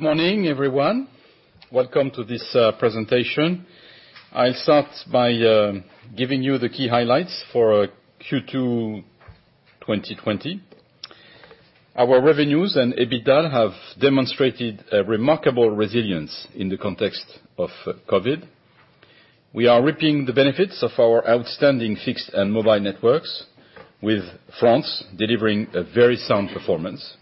Good morning, everyone. Welcome to this presentation. I'll start by giving you the key highlights for Q2 2020. Our revenues and EBITDA have demonstrated remarkable resilience in the context of COVID. We are reaping the benefits of our outstanding fixed and mobile networks, with France delivering a very sound performance.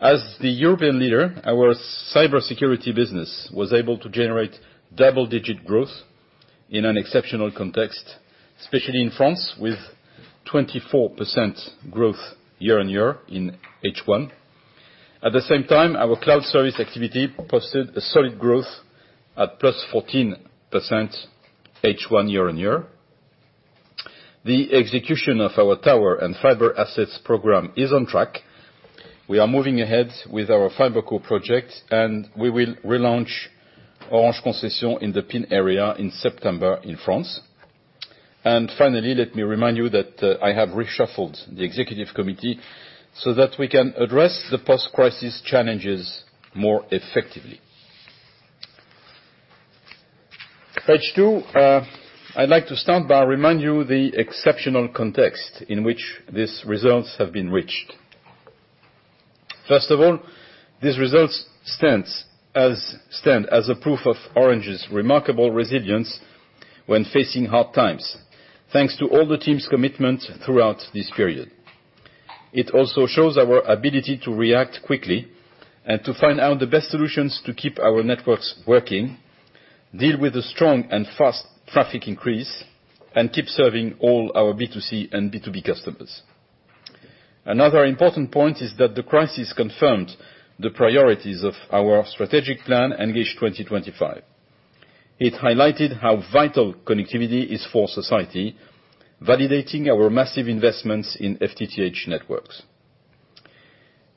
As the European leader, our cybersecurity business was able to generate double-digit growth in an exceptional context, especially in France, with 24% growth year-on-year in H1. At the same time, our cloud service activity posted a solid growth at plus 14% H1 year-on-year. The execution of our tower and fiber assets program is on track. We are moving ahead with our fiber core project, and we will relaunch Orange Concession in the PIN area in September in France. Finally, let me remind you that I have reshuffled the executive committee so that we can address the post-crisis challenges more effectively. H2, I'd like to start by reminding you of the exceptional context in which these results have been reached. First of all, these results stand as proof of Orange's remarkable resilience when facing hard times, thanks to all the team's commitment throughout this period. It also shows our ability to react quickly and to find out the best solutions to keep our networks working, deal with a strong and fast traffic increase, and keep serving all our B2C and B2B customers. Another important point is that the crisis confirmed the priorities of our strategic plan, Engage 2025. It highlighted how vital connectivity is for society, validating our massive investments in FTTH networks.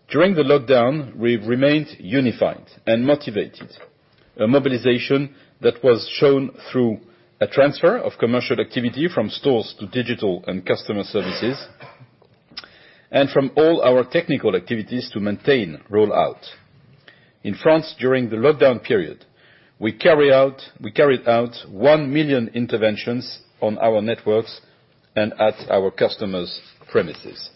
During the lockdown, we remained unified and motivated, a mobilization that was shown through a transfer of commercial activity from stores to digital and customer services, and from all our technical activities to maintain rollout. In France, during the lockdown period, we carried out 1 million interventions on our networks and at our customers' premises.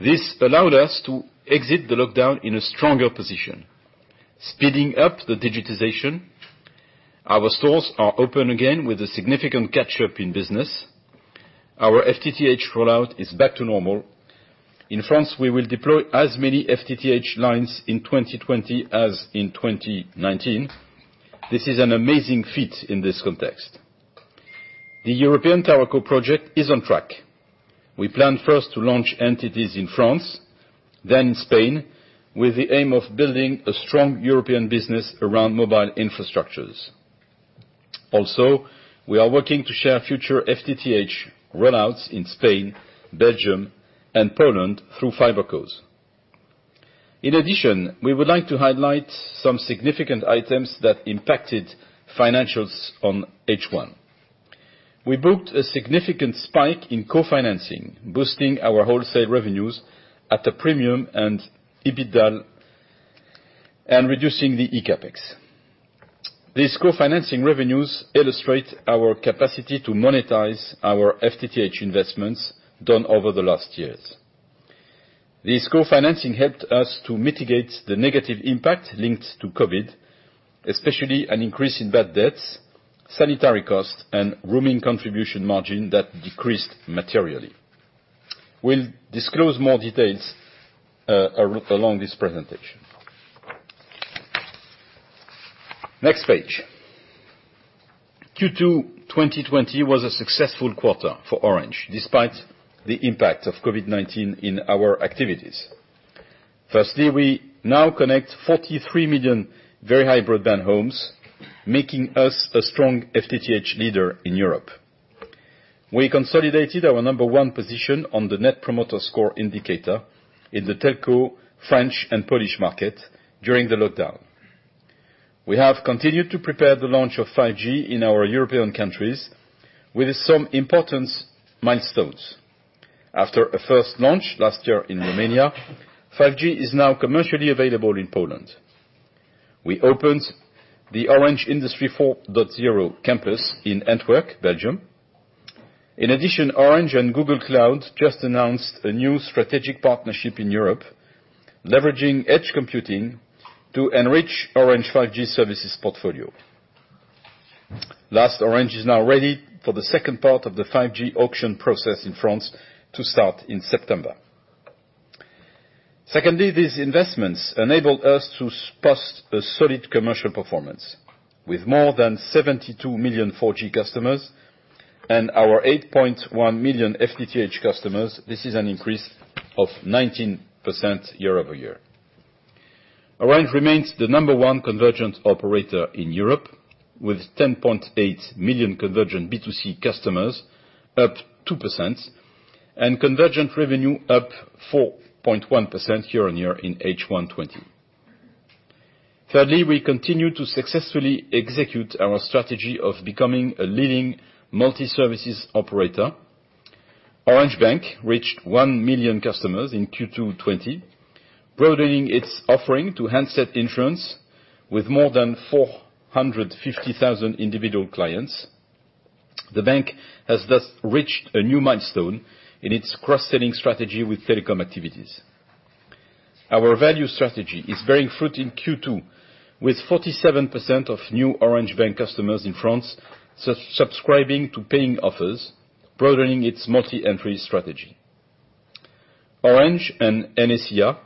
This allowed us to exit the lockdown in a stronger position, speeding up the digitization. Our stores are open again with a significant catch-up in business. Our FTTH rollout is back to normal. In France, we will deploy as many FTTH lines in 2020 as in 2019. This is an amazing feat in this context. The European Tower CO project is on track. We plan first to launch entities in France, then in Spain, with the aim of building a strong European business around mobile infrastructures. Also, we are working to share future FTTH rollouts in Spain, Belgium, and Poland through fiber codes. In addition, we would like to highlight some significant items that impacted financials on H1. We booked a significant spike in co-financing, boosting our wholesale revenues at a premium and EBITDA, and reducing the ECAPEX. These co-financing revenues illustrate our capacity to monetize our FTTH investments done over the last years. This co-financing helped us to mitigate the negative impact linked to COVID, especially an increase in bad debts, sanitary costs, and roaming contribution margin that decreased materially. We will disclose more details along this presentation. Next page. Q2 2020 was a successful quarter for Orange, despite the impact of COVID-19 in our activities. Firstly, we now connect 43 million very high-broadband homes, making us a strong FTTH leader in Europe. We consolidated our number one position on the Net Promoter Score indicator in the telco, French, and Polish market during the lockdown. We have continued to prepare the launch of 5G in our European countries with some important milestones. After a first launch last year in Romania, 5G is now commercially available in Poland. We opened the Orange Industry 4.0 campus in Antwerp, Belgium. In addition, Orange and Google Cloud just announced a new strategic partnership in Europe, leveraging edge computing to enrich Orange 5G services portfolio. Last, Orange is now ready for the second part of the 5G auction process in France to start in September. Secondly, these investments enabled us to post a solid commercial performance. With more than 72 million 4G customers and our 8.1 million FTTH customers, this is an increase of 19% year-over-year. Orange remains the number one convergent operator in Europe, with 10.8 million convergent B2C customers, up 2%, and convergent revenue up 4.1% year-on-year in H1 2020. Thirdly, we continue to successfully execute our strategy of becoming a leading multi-services operator. Orange Bank reached 1 million customers in Q2 2020, broadening its offering to handset insurance with more than 450,000 individual clients. The bank has thus reached a new milestone in its cross-selling strategy with telecom activities. Our value strategy is bearing fruit in Q2, with 47% of new Orange Bank customers in France subscribing to paying offers, broadening its multi-entry strategy. Orange and NSIA,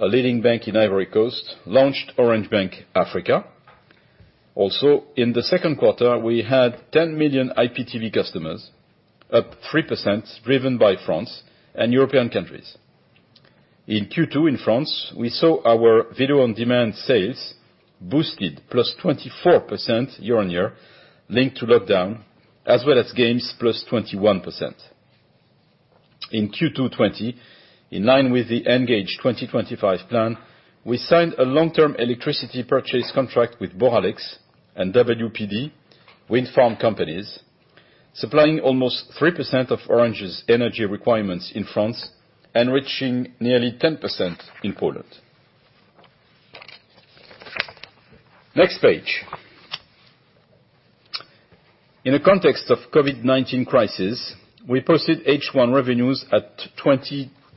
a leading bank in Ivory Coast, launched Orange Bank Africa. Also, in the second quarter, we had 10 million IPTV customers, up 3%, driven by France and European countries. In Q2 in France, we saw our video on demand sales boosted +24% year-on-year, linked to lockdown, as well as gained +21%. In Q2 2020, in line with the Engage 2025 plan, we signed a long-term electricity purchase contract with Boralex and WPD, wind farm companies, supplying almost 3% of Orange's energy requirements in France, enriching nearly 10% in Poland. Next page. In the context of the COVID-19 crisis, we posted H1 revenues at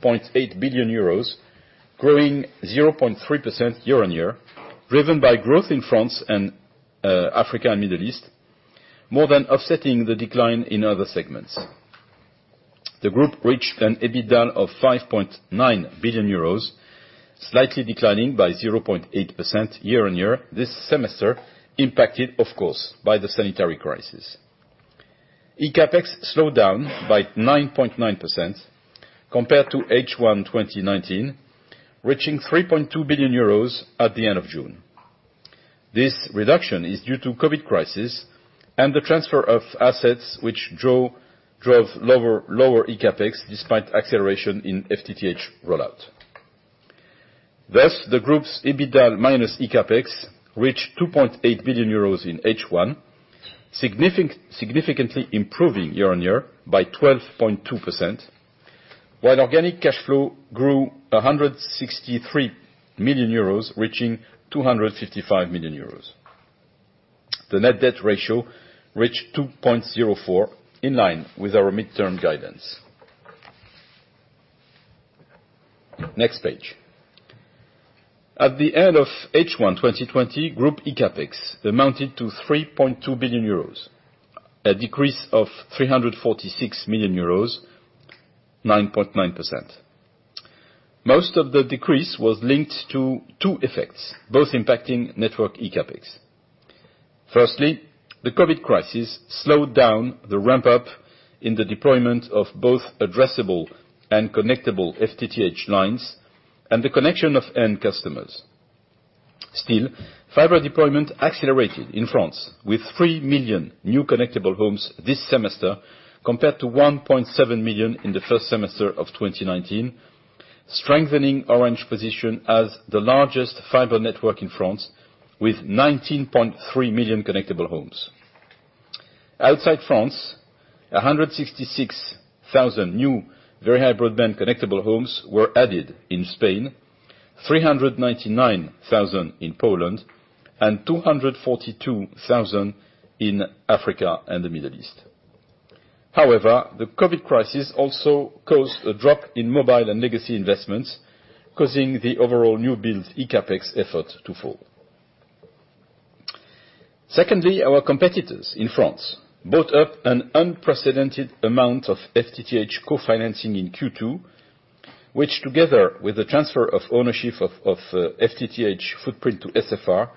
20.8 billion euros, growing 0.3% year-on-year, driven by growth in France and Africa and the Middle East, more than offsetting the decline in other segments. The group reached an EBITDA of 5.9 billion euros, slightly declining by 0.8% year-on-year this semester, impacted, of course, by the sanitary crisis. ECAPEX slowed down by 9.9% compared to H1 2019, reaching 3.2 billion euros at the end of June. This reduction is due to the COVID crisis and the transfer of assets, which drove lower ECAPEX despite acceleration in FTTH rollout. Thus, the group's EBITDA minus ECAPEX reached 2.8 billion euros in H1, significantly improving year-on-year by 12.2%, while organic cash flow grew 163 million euros, reaching 255 million euros. The net debt ratio reached 2.04, in line with our midterm guidance. Next page. At the end of H1 2020, group ECAPEX amounted to 3.2 billion euros, a decrease of 346 million euros, 9.9%. Most of the decrease was linked to two effects, both impacting network ECAPEX. Firstly, the COVID crisis slowed down the ramp-up in the deployment of both addressable and connectable FTTH lines and the connection of end customers. Still, fiber deployment accelerated in France, with 3 million new connectable homes this semester compared to 1.7 million in the first semester of 2019, strengthening Orange's position as the largest fiber network in France, with 19.3 million connectable homes. Outside France, 166,000 new very high-broadband connectable homes were added in Spain, 399,000 in Poland, and 242,000 in Africa and the Middle East. However, the COVID crisis also caused a drop in mobile and legacy investments, causing the overall new build ECAPEX effort to fall. Secondly, our competitors in France bought up an unprecedented amount of FTTH co-financing in Q2, which, together with the transfer of ownership of FTTH footprint to SFR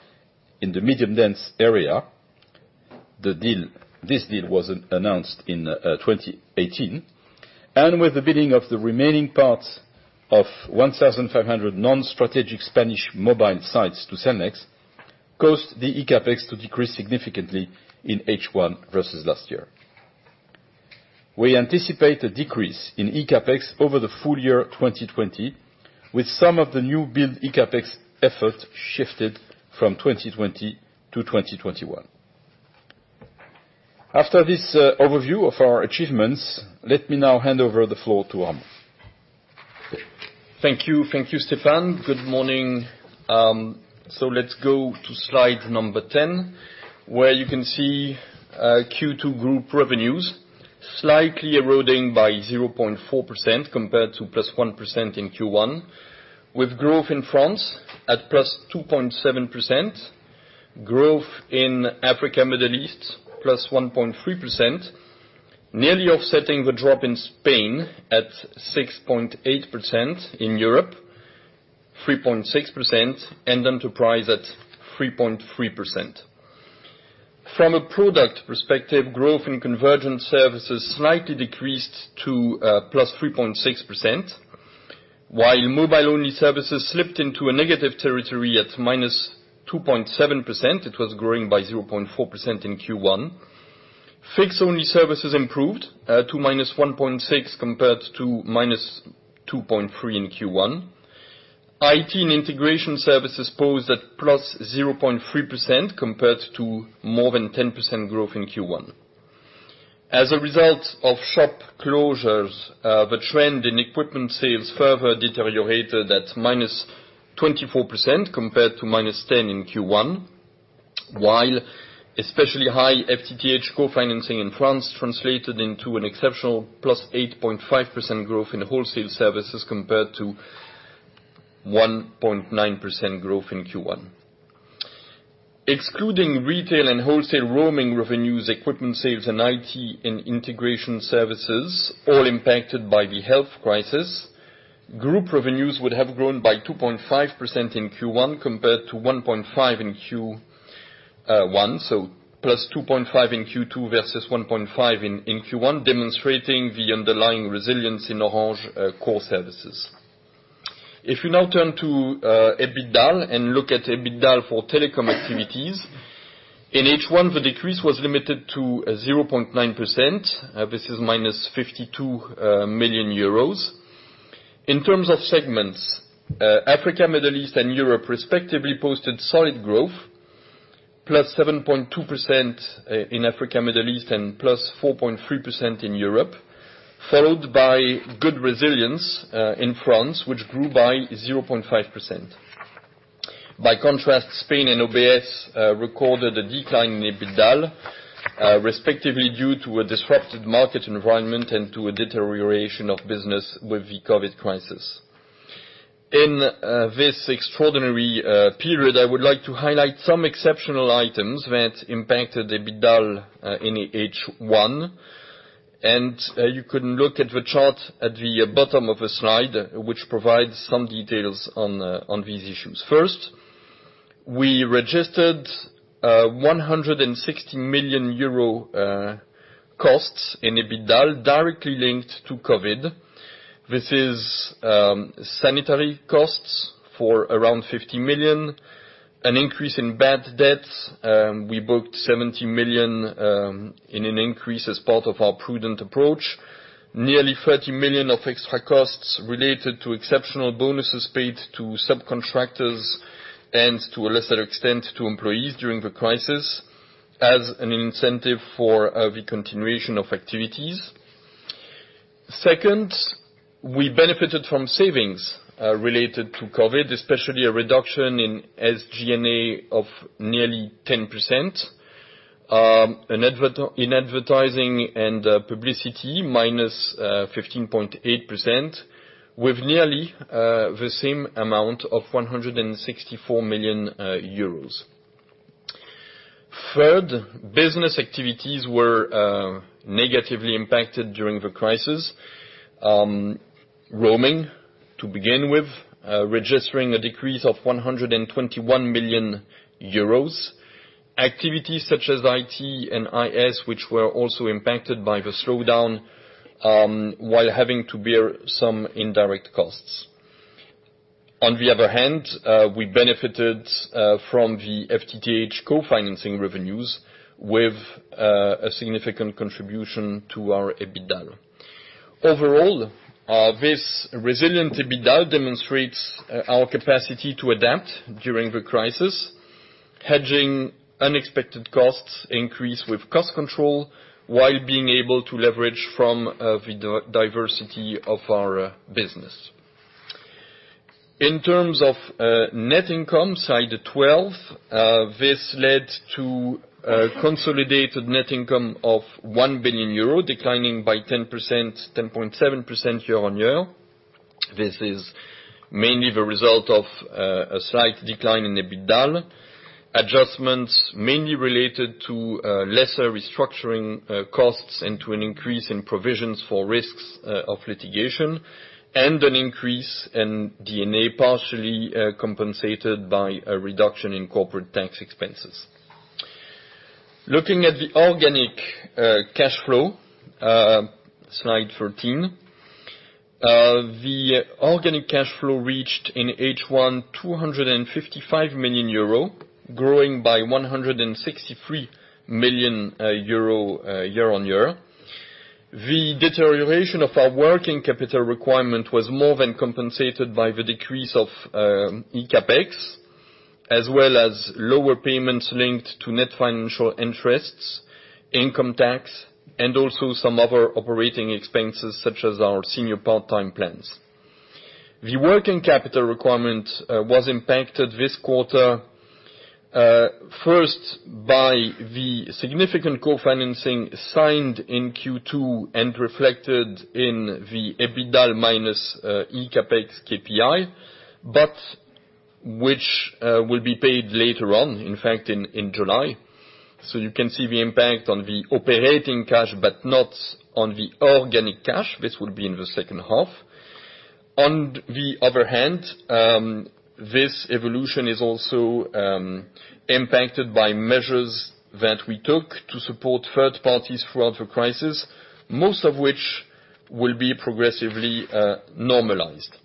in the medium-dense area, this deal was announced in 2018, and with the bidding of the remaining part of 1,500 non-strategic Spanish mobile sites to Cellnex, caused the ECAPEX to decrease significantly in H1 versus last year. We anticipate a decrease in ECAPEX over the full year 2020, with some of the new build ECAPEX effort shifted from 2020 to 2021. After this overview of our achievements, let me now hand over the floor to Ramon. Thank you. Thank you, Stéphane. Good morning. Let's go to slide number 10, where you can see Q2 group revenues slightly eroding by 0.4% compared to plus 1% in Q1, with growth in France at plus 2.7%, growth in Africa and the Middle East plus 1.3%, nearly offsetting the drop in Spain at 6.8%, in Europe 3.6%, and enterprise at 3.3%. From a product perspective, growth in convergent services slightly decreased to plus 3.6%, while mobile-only services slipped into negative territory at minus 2.7%. It was growing by 0.4% in Q1. Fixed-only services improved to minus 1.6% compared to minus 2.3% in Q1. IT and integration services posed at plus 0.3% compared to more than 10% growth in Q1. As a result of shop closures, the trend in equipment sales further deteriorated at minus 24% compared to minus 10% in Q1, while especially high FTTH co-financing in France translated into an exceptional plus 8.5% growth in wholesale services compared to 1.9% growth in Q1. Excluding retail and wholesale roaming revenues, equipment sales, and IT and integration services, all impacted by the health crisis, group revenues would have grown by 2.5% in Q2 compared to 1.5% in Q1, so plus 2.5% in Q2 versus 1.5% in Q1, demonstrating the underlying resilience in Orange core services. If you now turn to EBITDA and look at EBITDA for telecom activities, in H1, the decrease was limited to 0.9%. This is minus 52 million euros. In terms of segments, Africa, Middle East, and Europe, respectively, posted solid growth, plus 7.2% in Africa, Middle East, and plus 4.3% in Europe, followed by good resilience in France, which grew by 0.5%. By contrast, Spain and OBS recorded a decline in EBITDA, respectively due to a disrupted market environment and to a deterioration of business with the COVID crisis. In this extraordinary period, I would like to highlight some exceptional items that impacted EBITDA in H1, and you can look at the chart at the bottom of the slide, which provides some details on these issues. First, we registered 160 million euro costs in EBITDA directly linked to COVID. This is sanitary costs for around 50 million, an increase in bad debts. We booked 70 million in an increase as part of our prudent approach, nearly 30 million of extra costs related to exceptional bonuses paid to subcontractors and, to a lesser extent, to employees during the crisis as an incentive for the continuation of activities. Second, we benefited from savings related to COVID, especially a reduction in SG&A of nearly 10%, in advertising and publicity, minus 15.8%, with nearly the same amount of 164 million euros. Third, business activities were negatively impacted during the crisis. Roaming, to begin with, registering a decrease of 121 million euros. Activities such as IT and IS, which were also impacted by the slowdown while having to bear some indirect costs. On the other hand, we benefited from the FTTH co-financing revenues with a significant contribution to our EBITDA. Overall, this resilient EBITDA demonstrates our capacity to adapt during the crisis, hedging unexpected costs, increase with cost control, while being able to leverage from the diversity of our business. In terms of net income, slide 12, this led to a consolidated net income of 1 billion euro, declining by 10.7% year-on-year. This is mainly the result of a slight decline in EBITDA, adjustments mainly related to lesser restructuring costs and to an increase in provisions for risks of litigation, and an increase in DNA partially compensated by a reduction in corporate tax expenses. Looking at the organic cash flow, slide 14, the organic cash flow reached in H1 255 million euro, growing by 163 million euro year-on-year. The deterioration of our working capital requirement was more than compensated by the decrease of ECAPEX, as well as lower payments linked to net financial interests, income tax, and also some other operating expenses such as our senior part-time plans. The working capital requirement was impacted this quarter, first by the significant co-financing signed in Q2 and reflected in the EBITDA minus ECAPEX KPI, but which will be paid later on, in fact, in July. You can see the impact on the operating cash, but not on the organic cash. This will be in the second half. On the other hand, this evolution is also impacted by measures that we took to support third parties throughout the crisis, most of which will be progressively normalized.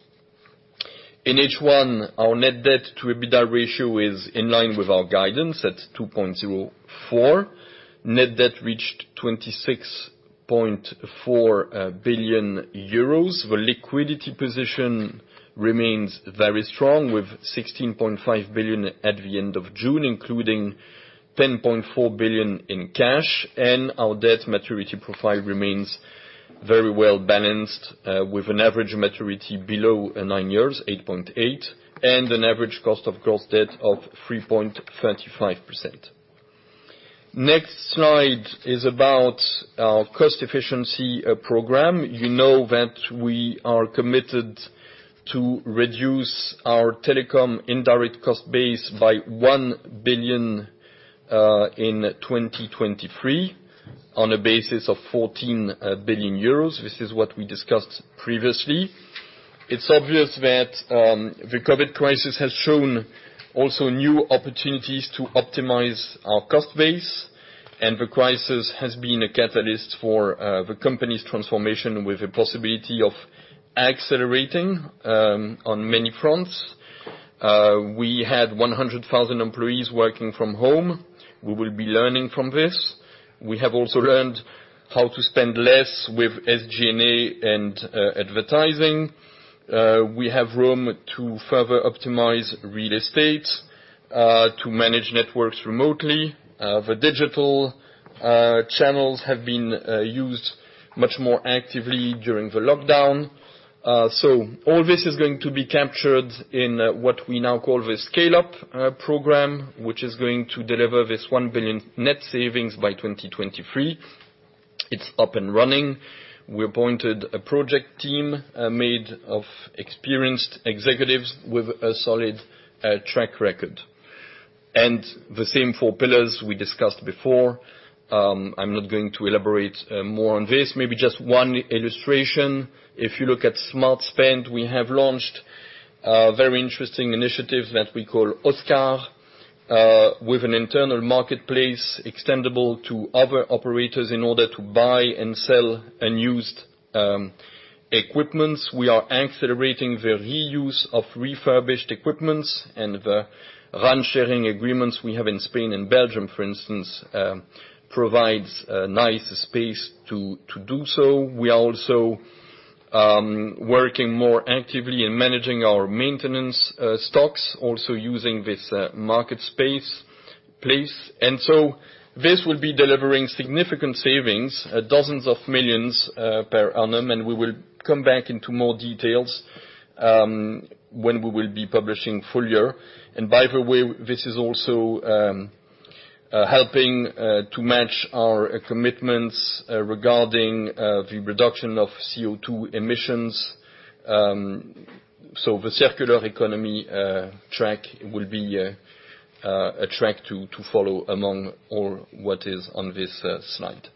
In H1, our net debt to EBITDA ratio is in line with our guidance at 2.04. Net debt reached 26.4 billion euros. The liquidity position remains very strong with 16.5 billion at the end of June, including 10.4 billion in cash, and our debt maturity profile remains very well balanced with an average maturity below nine years, 8.8, and an average cost of gross debt of 3.35%. Next slide is about our cost efficiency program. You know that we are committed to reduce our telecom indirect cost base by 1 billion in 2023 on a basis of 14 billion euros. This is what we discussed previously. It's obvious that the COVID crisis has shown also new opportunities to optimize our cost base, and the crisis has been a catalyst for the company's transformation with the possibility of accelerating on many fronts. We had 100,000 employees working from home. We will be learning from this. We have also learned how to spend less with SG&A and advertising. We have room to further optimize real estate to manage networks remotely. The digital channels have been used much more actively during the lockdown. All this is going to be captured in what we now call the scale-up program, which is going to deliver this 1 billion net savings by 2023. It's up and running. We appointed a project team made of experienced executives with a solid track record. The same four pillars we discussed before. I'm not going to elaborate more on this. Maybe just one illustration. If you look at Smart Spend, we have launched a very interesting initiative that we call OSCAR with an internal marketplace extendable to other operators in order to buy and sell unused equipment. We are accelerating the reuse of refurbished equipment, and the run-sharing agreements we have in Spain and Belgium, for instance, provide a nice space to do so. We are also working more actively in managing our maintenance stocks, also using this marketplace. This will be delivering significant savings, dozens of millions per annum, and we will come back into more details when we will be publishing full year. By the way, this is also helping to match our commitments regarding the reduction of CO2 emissions. The circular economy track will be a track to follow among all what is on this slide.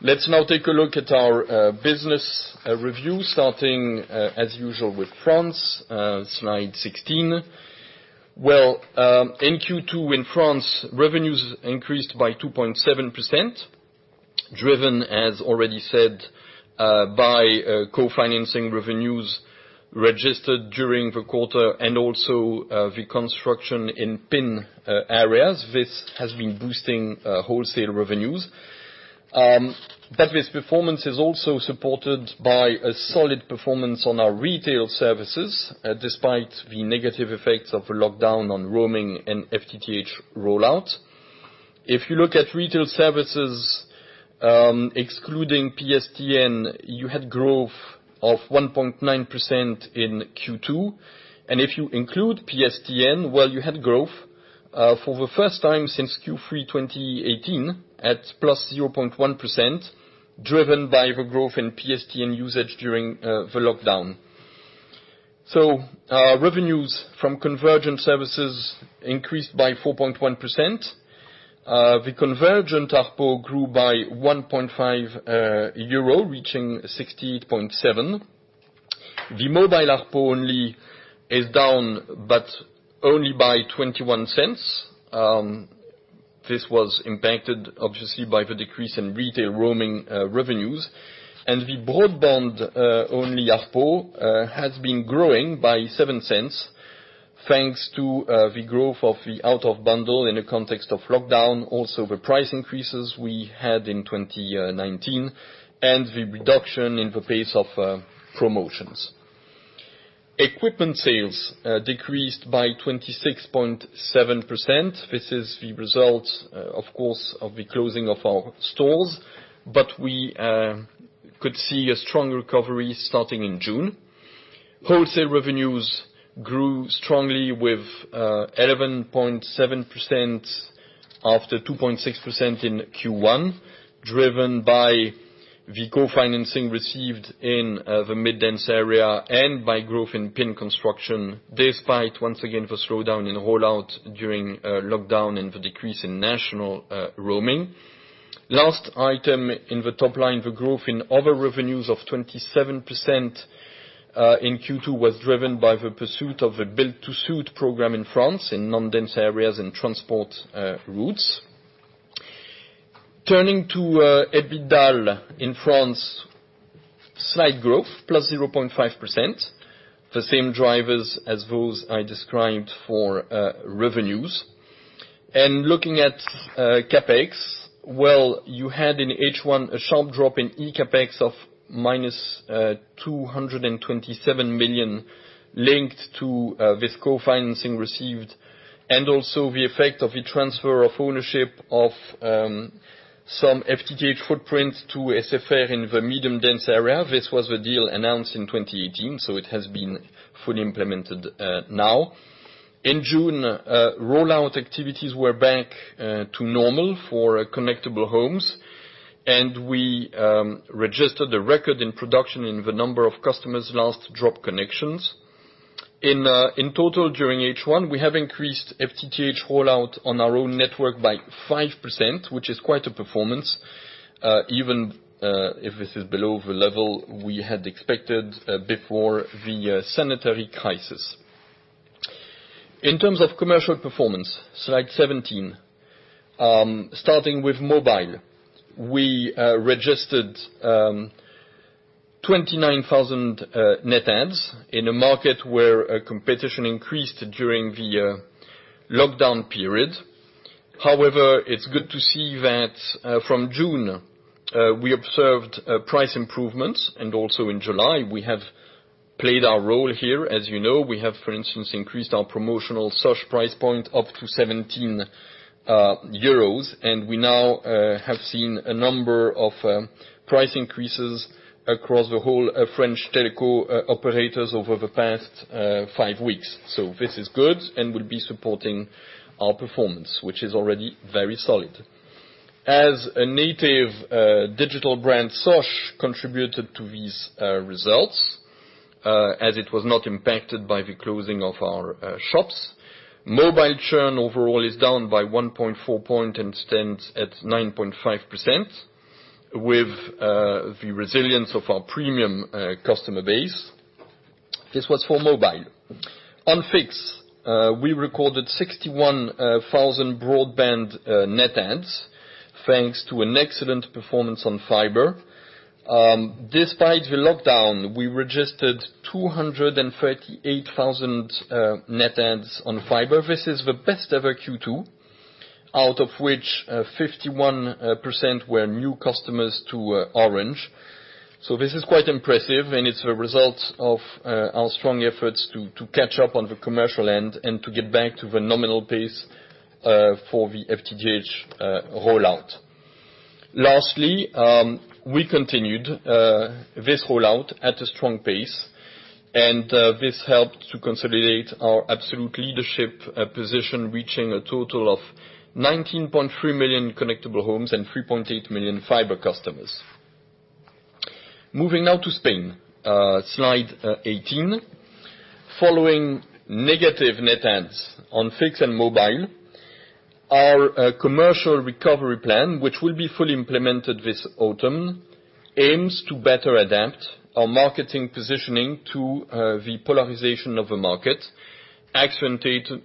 Let's now take a look at our business review, starting as usual with France, slide 16. In Q2 in France, revenues increased by 2.7%, driven, as already said, by co-financing revenues registered during the quarter and also the construction in PIN areas. This has been boosting wholesale revenues. This performance is also supported by a solid performance on our retail services despite the negative effects of the lockdown on roaming and FTTH rollout. If you look at retail services, excluding PSTN, you had growth of 1.9% in Q2. If you include PSTN, you had growth for the first time since Q3 2018 at +0.1%, driven by the growth in PSTN usage during the lockdown. Revenues from convergent services increased by 4.1%. The convergent ARPU grew by 1.5 euro, reaching 68.7. The mobile ARPU only is down, but only by 0.21. This was impacted, obviously, by the decrease in retail roaming revenues. The broadband-only ARPU has been growing by 0.07 thanks to the growth of the out-of-bundle in the context of lockdown, also the price increases we had in 2019, and the reduction in the pace of promotions. Equipment sales decreased by 26.7%. This is the result, of course, of the closing of our stores, but we could see a strong recovery starting in June. Wholesale revenues grew strongly with 11.7% after 2.6% in Q1, driven by the co-financing received in the Midlands area and by growth in PIN construction despite, once again, the slowdown in rollout during lockdown and the decrease in national roaming. Last item in the top line, the growth in other revenues of 27% in Q2 was driven by the pursuit of the Build-to-Suit program in France in non-dense areas and transport routes. Turning to EBITDA in France, slight growth, plus 0.5%, the same drivers as those I described for revenues. Looking at CAPEX, you had in H1 a sharp drop in ECAPEX of 227 million linked to this co-financing received and also the effect of the transfer of ownership of some FTTH footprint to SFR in the medium-dense area. This was the deal announced in 2018, so it has been fully implemented now. In June, rollout activities were back to normal for connectable homes, and we registered the record in production in the number of customers last dropped connections. In total, during H1, we have increased FTTH rollout on our own network by 5%, which is quite a performance, even if this is below the level we had expected before the sanitary crisis. In terms of commercial performance, slide 17, starting with mobile, we registered 29,000 net adds in a market where competition increased during the lockdown period. However, it's good to see that from June, we observed price improvements, and also in July, we have played our role here. As you know, we have, for instance, increased our promotional source price point up to 17 euros, and we now have seen a number of price increases across the whole French telco operators over the past five weeks. This is good and will be supporting our performance, which is already very solid. As a native digital brand, Sosh contributed to these results as it was not impacted by the closing of our shops. Mobile churn overall is down by 1.4 percentage points and stands at 9.5% with the resilience of our premium customer base. This was for mobile. On fixed, we recorded 61,000 broadband net adds thanks to an excellent performance on fiber. Despite the lockdown, we registered 238,000 net adds on fiber. This is the best ever Q2, out of which 51% were new customers to Orange. This is quite impressive, and it's the result of our strong efforts to catch up on the commercial end and to get back to the nominal pace for the FTTH rollout. Lastly, we continued this rollout at a strong pace, and this helped to consolidate our absolute leadership position, reaching a total of 19.3 million connectable homes and 3.8 million fiber customers. Moving now to Spain, slide 18. Following negative net adds on fixed and mobile, our commercial recovery plan, which will be fully implemented this autumn, aims to better adapt our marketing positioning to the polarization of the market, accentuated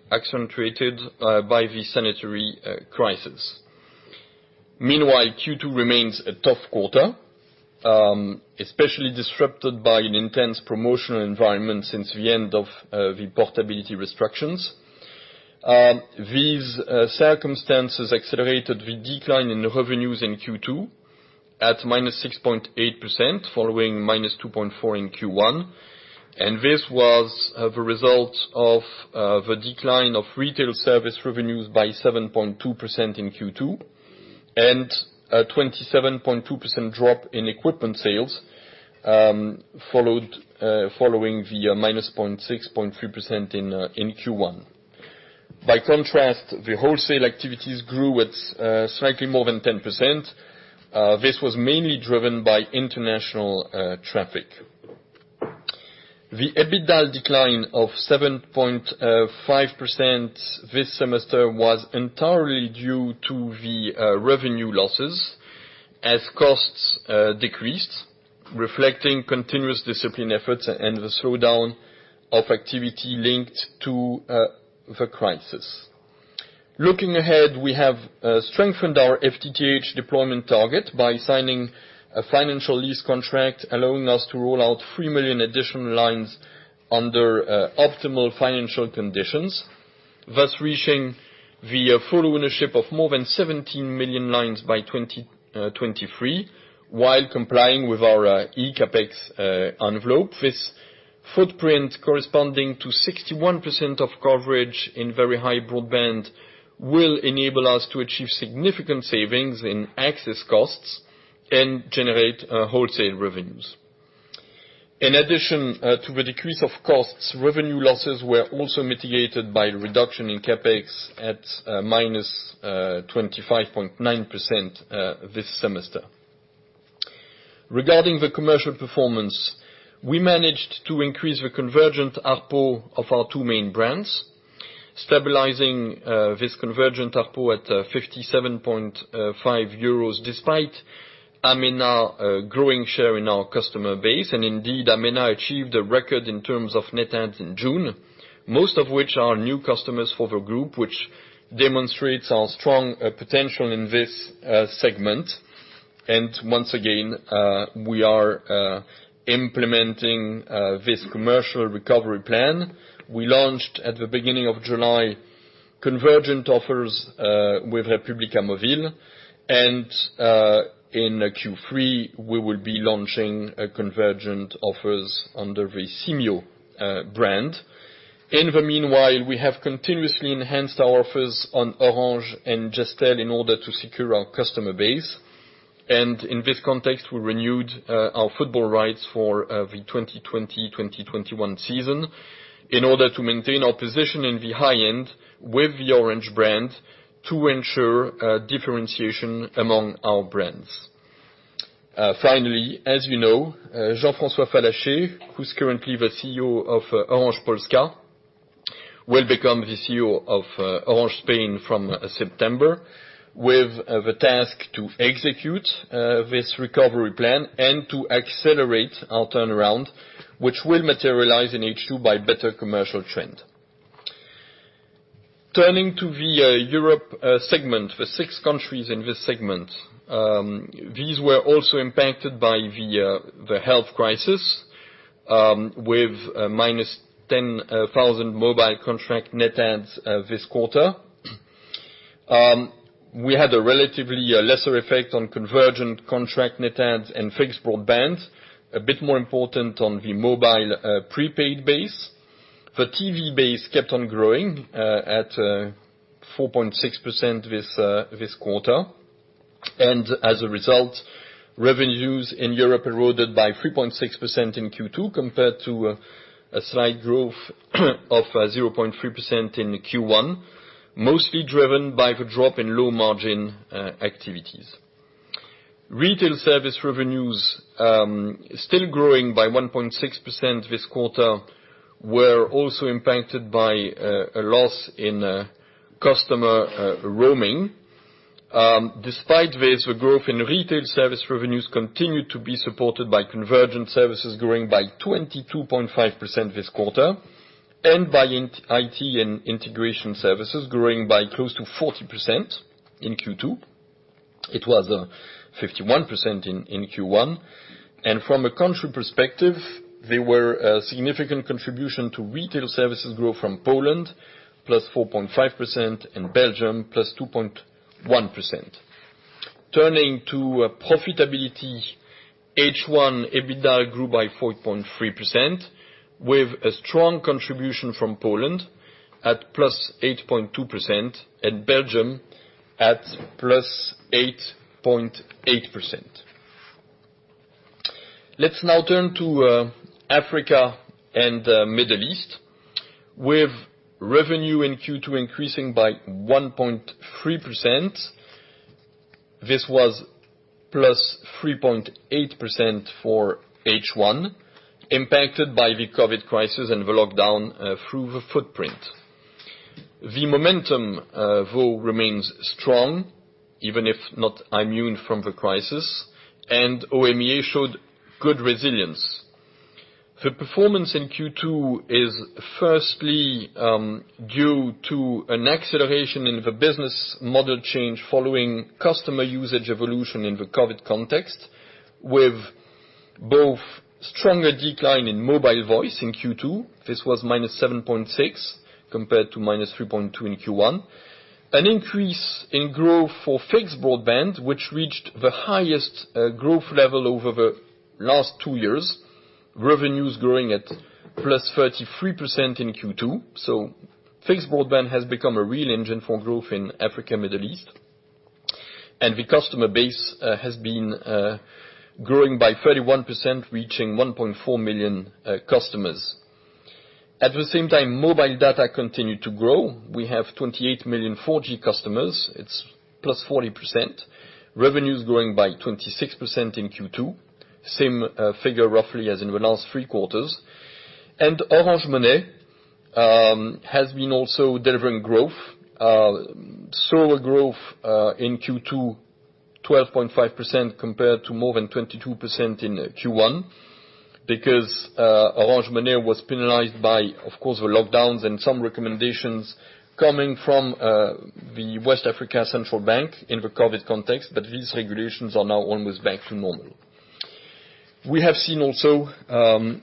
by the sanitary crisis. Meanwhile, Q2 remains a tough quarter, especially disrupted by an intense promotional environment since the end of the portability restrictions. These circumstances accelerated the decline in revenues in Q2 at -6.8%, following -2.4% in Q1. This was the result of the decline of retail service revenues by 7.2% in Q2 and a 27.2% drop in equipment sales following the -6.3% in Q1. By contrast, the wholesale activities grew at slightly more than 10%. This was mainly driven by international traffic. The EBITDA decline of 7.5% this semester was entirely due to the revenue losses as costs decreased, reflecting continuous discipline efforts and the slowdown of activity linked to the crisis. Looking ahead, we have strengthened our FTTH deployment target by signing a financial lease contract allowing us to roll out 3 million additional lines under optimal financial conditions, thus reaching the full ownership of more than 17 million lines by 2023 while complying with our ECAPEX envelope. This footprint, corresponding to 61% of coverage in very high broadband, will enable us to achieve significant savings in access costs and generate wholesale revenues. In addition to the decrease of costs, revenue losses were also mitigated by the reduction in CapEx at -25.9% this semester. Regarding the commercial performance, we managed to increase the convergent ARPU of our two main brands, stabilizing this convergent ARPU at 57.5 euros despite Amena growing share in our customer base. Indeed, Amena achieved a record in terms of net adds in June, most of which are new customers for the group, which demonstrates our strong potential in this segment. Once again, we are implementing this commercial recovery plan. We launched at the beginning of July convergent offers with Republic Mobile, and in Q3, we will be launching convergent offers under the Simio brand. In the meanwhile, we have continuously enhanced our offers on Orange and Gestel in order to secure our customer base. In this context, we renewed our football rights for the 2020-2021 season in order to maintain our position in the high end with the Orange brand to ensure differentiation among our brands. Finally, as you know, Jean-François Fallacher, who's currently the CEO of Orange Polska, will become the CEO of Orange Spain from September with the task to execute this recovery plan and to accelerate our turnaround, which will materialize in H2 by better commercial trend. Turning to the Europe segment, the six countries in this segment, these were also impacted by the health crisis with minus 10,000 mobile contract net adds this quarter. We had a relatively lesser effect on convergent contract net adds and fixed broadband, a bit more important on the mobile prepaid base. The TV base kept on growing at 4.6% this quarter. As a result, revenues in Europe eroded by 3.6% in Q2 compared to a slight growth of 0.3% in Q1, mostly driven by the drop in low margin activities. Retail service revenues still growing by 1.6% this quarter were also impacted by a loss in customer roaming. Despite this, the growth in retail service revenues continued to be supported by convergent services growing by 22.5% this quarter and by IT and integration services growing by close to 40% in Q2. It was 51% in Q1. From a country perspective, there were a significant contribution to retail services growth from Poland, plus 4.5%, and Belgium, plus 2.1%. Turning to profitability, H1 EBITDA grew by 4.3% with a strong contribution from Poland at plus 8.2% and Belgium at plus 8.8%. Let's now turn to Africa and the Middle East with revenue in Q2 increasing by 1.3%. This was +3.8% for H1, impacted by the COVID crisis and the lockdown through the footprint. The momentum, though, remains strong, even if not immune from the crisis, and OMEA showed good resilience. The performance in Q2 is firstly due to an acceleration in the business model change following customer usage evolution in the COVID context with both stronger decline in mobile voice in Q2. This was -7.6% compared to -3.2% in Q1. An increase in growth for fixed broadband, which reached the highest growth level over the last two years, revenues growing at +33% in Q2. Fixed broadband has become a real engine for growth in Africa and the Middle East. The customer base has been growing by 31%, reaching 1.4 million customers. At the same time, mobile data continued to grow. We have 28 million 4G customers. It's plus 40%. Revenues growing by 26% in Q2, same figure roughly as in the last three quarters. Orange Money has been also delivering growth. Slower growth in Q2, 12.5% compared to more than 22% in Q1 because Orange Money was penalized by, of course, the lockdowns and some recommendations coming from the West Africa Central Bank in the COVID context, but these regulations are now almost back to normal. We have seen also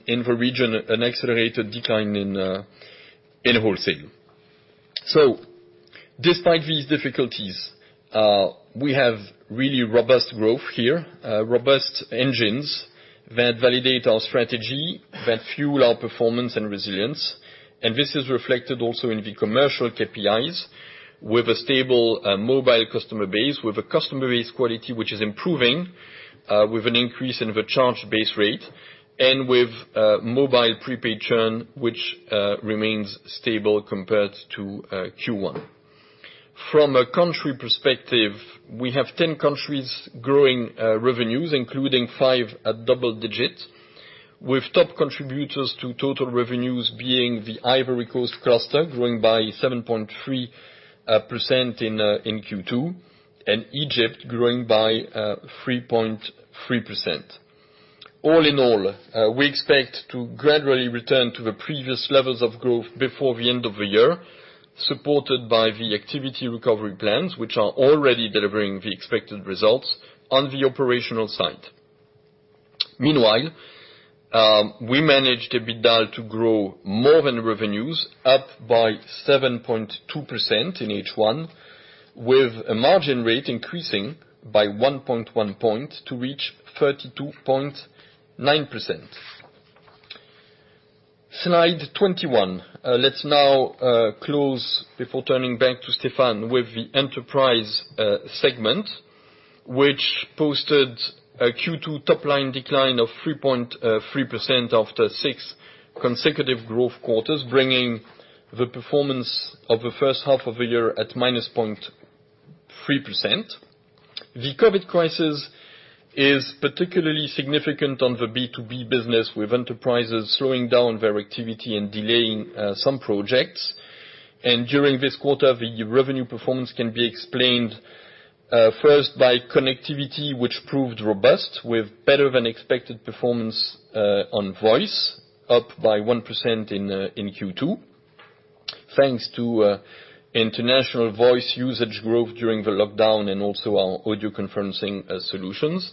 in the region an accelerated decline in wholesale. Despite these difficulties, we have really robust growth here, robust engines that validate our strategy, that fuel our performance and resilience. This is reflected also in the commercial KPIs with a stable mobile customer base, with a customer base quality which is improving with an increase in the charge base rate and with mobile prepaid churn, which remains stable compared to Q1. From a country perspective, we have 10 countries growing revenues, including five at double digits, with top contributors to total revenues being the Ivory Coast cluster growing by 7.3% in Q2 and Egypt growing by 3.3%. All in all, we expect to gradually return to the previous levels of growth before the end of the year, supported by the activity recovery plans, which are already delivering the expected results on the operational side. Meanwhile, we managed EBITDA to grow more than revenues, up by 7.2% in H1, with a margin rate increasing by 1.1 percentage points to reach 32.9%. Slide 21. Let's now close before turning back to Stéphane with the enterprise segment, which posted a Q2 top-line decline of 3.3% after six consecutive growth quarters, bringing the performance of the first half of the year at -0.3%. The COVID crisis is particularly significant on the B2B business, with enterprises slowing down their activity and delaying some projects. During this quarter, the revenue performance can be explained first by connectivity, which proved robust with better than expected performance on voice, up by 1% in Q2, thanks to international voice usage growth during the lockdown and also our audio conferencing solutions.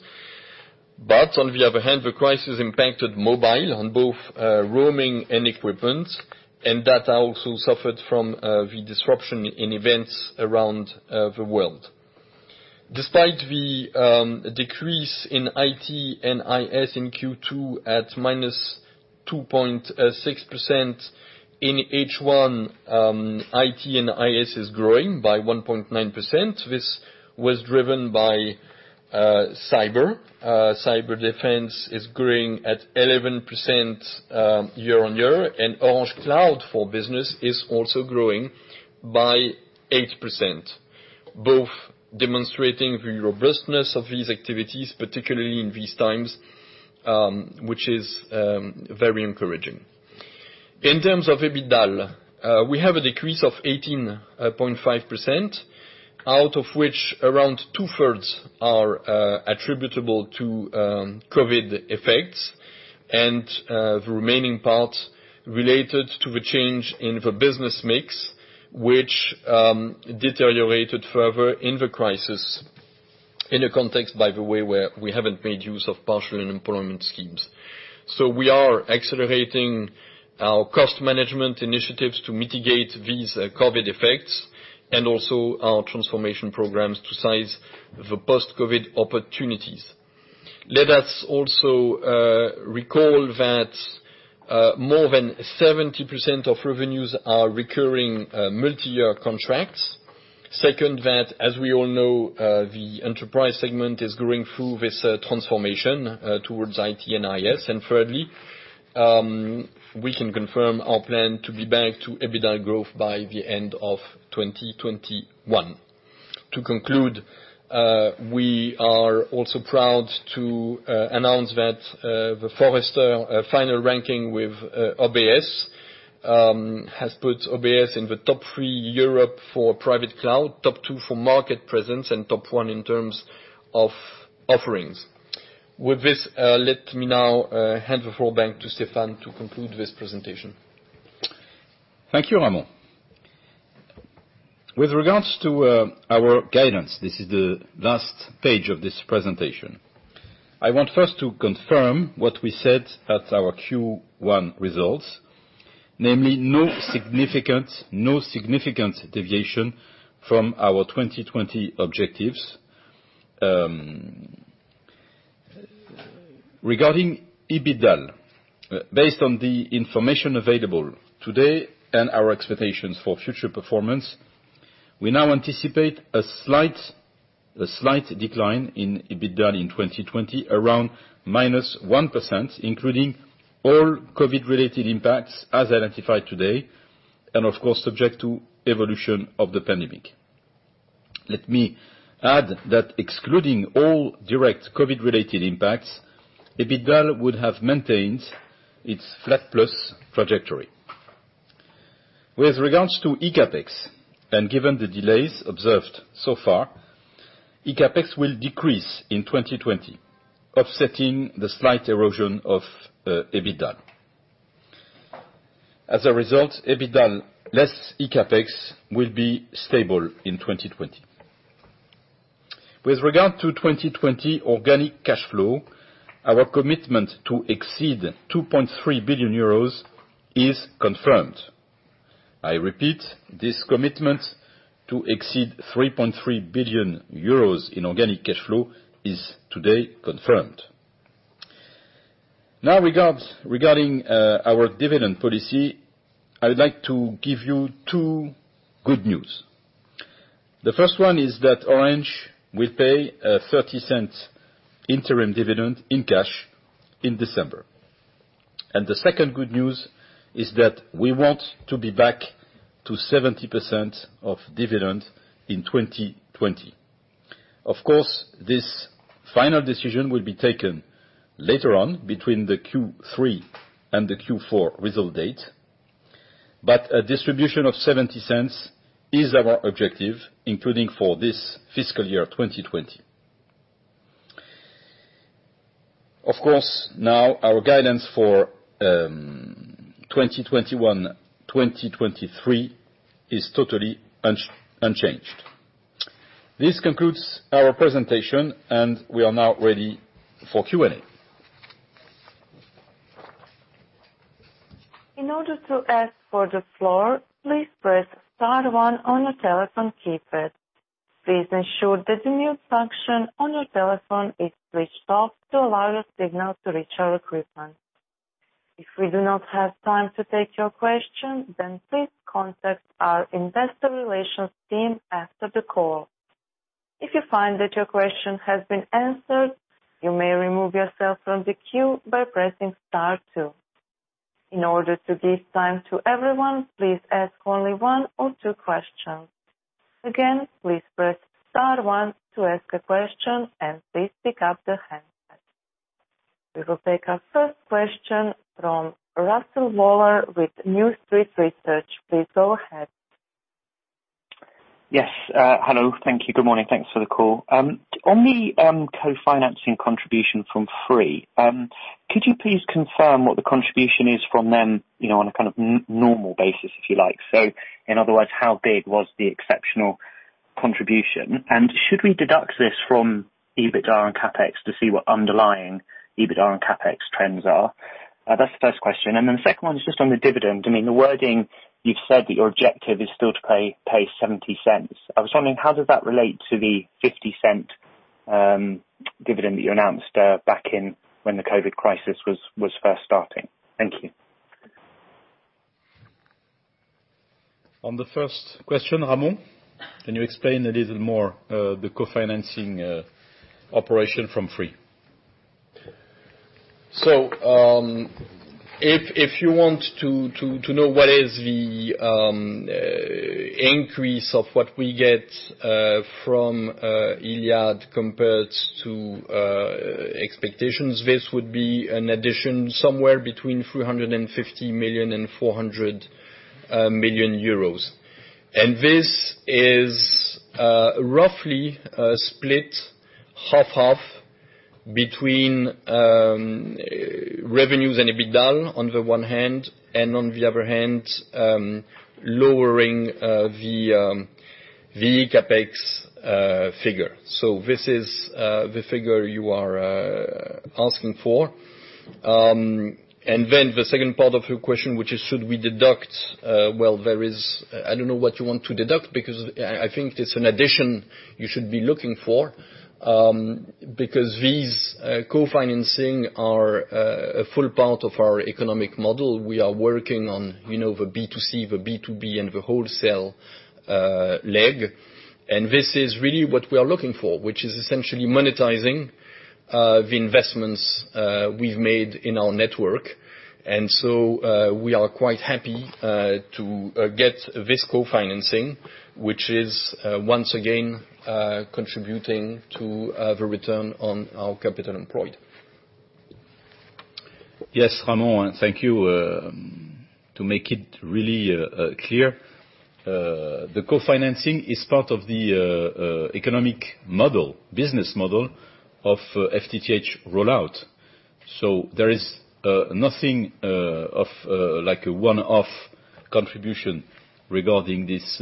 On the other hand, the crisis impacted mobile on both roaming and equipment, and that also suffered from the disruption in events around the world. Despite the decrease in IT and IS in Q2 at -2.6% in H1, IT and IS is growing by 1.9%. This was driven by cyber. Cyber defense is growing at 11% year-on-year, and Orange Cloud for business is also growing by 8%, both demonstrating the robustness of these activities, particularly in these times, which is very encouraging. In terms of EBITDA, we have a decrease of 18.5%, out of which around two-thirds are attributable to COVID effects and the remaining part related to the change in the business mix, which deteriorated further in the crisis in a context, by the way, where we have not made use of partial unemployment schemes. We are accelerating our cost management initiatives to mitigate these COVID effects and also our transformation programs to size the post-COVID opportunities. Let us also recall that more than 70% of revenues are recurring multi-year contracts. Second, that as we all know, the enterprise segment is going through this transformation towards IT and IS. Thirdly, we can confirm our plan to be back to EBITDA growth by the end of 2021. To conclude, we are also proud to announce that the Forrester final ranking with OBS has put OBS in the top three in Europe for private cloud, top two for market presence, and top one in terms of offerings. With this, let me now hand the floor back to Stéphane to conclude this presentation. Thank you, Ramon. With regards to our guidance, this is the last page of this presentation. I want first to confirm what we said at our Q1 results, namely no significant deviation from our 2020 objectives. Regarding EBITDA, based on the information available today and our expectations for future performance, we now anticipate a slight decline in EBITDA in 2020, around -1%, including all COVID-related impacts as identified today and, of course, subject to evolution of the pandemic. Let me add that excluding all direct COVID-related impacts, EBITDA would have maintained its flat plus trajectory. With regards to ECAPEX, and given the delays observed so far, ECAPEX will decrease in 2020, offsetting the slight erosion of EBITDA. As a result, EBITDA less ECAPEX will be stable in 2020. With regard to 2020 organic cash flow, our commitment to exceed 2.3 billion euros is confirmed. I repeat, this commitment to exceed 3.3 billion euros in organic cash flow is today confirmed. Now, regarding our dividend policy, I would like to give you two good news. The first one is that Orange will pay a 0.30 interim dividend in cash in December. The second good news is that we want to be back to 70% of dividend in 2020. Of course, this final decision will be taken later on between the Q3 and the Q4 result date, but a distribution of 0.70 is our objective, including for this fiscal year 2020. Of course, now our guidance for 2021-2023 is totally unchanged. This concludes our presentation, and we are now ready for Q&A. In order to ask for the floor, please press star one on your telephone keypad. Please ensure that the mute function on your telephone is switched off to allow your signal to reach our equipment. If we do not have time to take your question, then please contact our investor relations team after the call. If you find that your question has been answered, you may remove yourself from the queue by pressing star two. In order to give time to everyone, please ask only one or two questions. Again, please press star one to ask a question, and please pick up the handset. We will take our first question from Russell Waller with News Street Research. Please go ahead. Yes. Hello. Thank you. Good morning. Thanks for the call. On the co-financing contribution from Free, could you please confirm what the contribution is from them on a kind of normal basis, if you like? In other words, how big was the exceptional contribution? Should we deduct this from EBITDA and CAPEX to see what underlying EBITDA and CAPEX trends are? That is the first question. The second one is just on the dividend. I mean, the wording you have said that your objective is still to pay 0.70. I was wondering, how does that relate to the 0.50 dividend that you announced back when the COVID crisis was first starting? Thank you. On the first question, Ramon, can you explain a little more the co-financing operation from Free? If you want to know what is the increase of what we get from Iliad compared to expectations, this would be an addition somewhere between 350 million and 400 million euros. This is roughly split half-half between revenues and EBITDA on the one hand and on the other hand, lowering the ECAPEX figure. This is the figure you are asking for. The second part of your question, which is, should we deduct? I don't know what you want to deduct because I think it's an addition you should be looking for because these co-financing are a full part of our economic model. We are working on the B2C, the B2B, and the wholesale leg. This is really what we are looking for, which is essentially monetizing the investments we've made in our network. We are quite happy to get this co-financing, which is once again contributing to the return on our capital employed. Yes, Ramon, thank you. To make it really clear, the co-financing is part of the economic model, business model of FTTH rollout. There is nothing of like a one-off contribution regarding this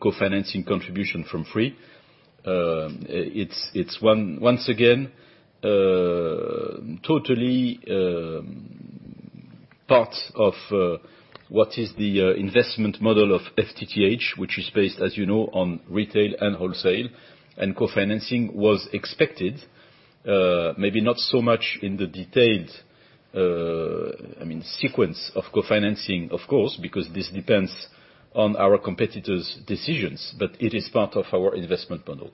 co-financing contribution from Free. It's once again totally part of what is the investment model of FTTH, which is based, as you know, on retail and wholesale. Co-financing was expected, maybe not so much in the detailed, I mean, sequence of co-financing, of course, because this depends on our competitors' decisions, but it is part of our investment model.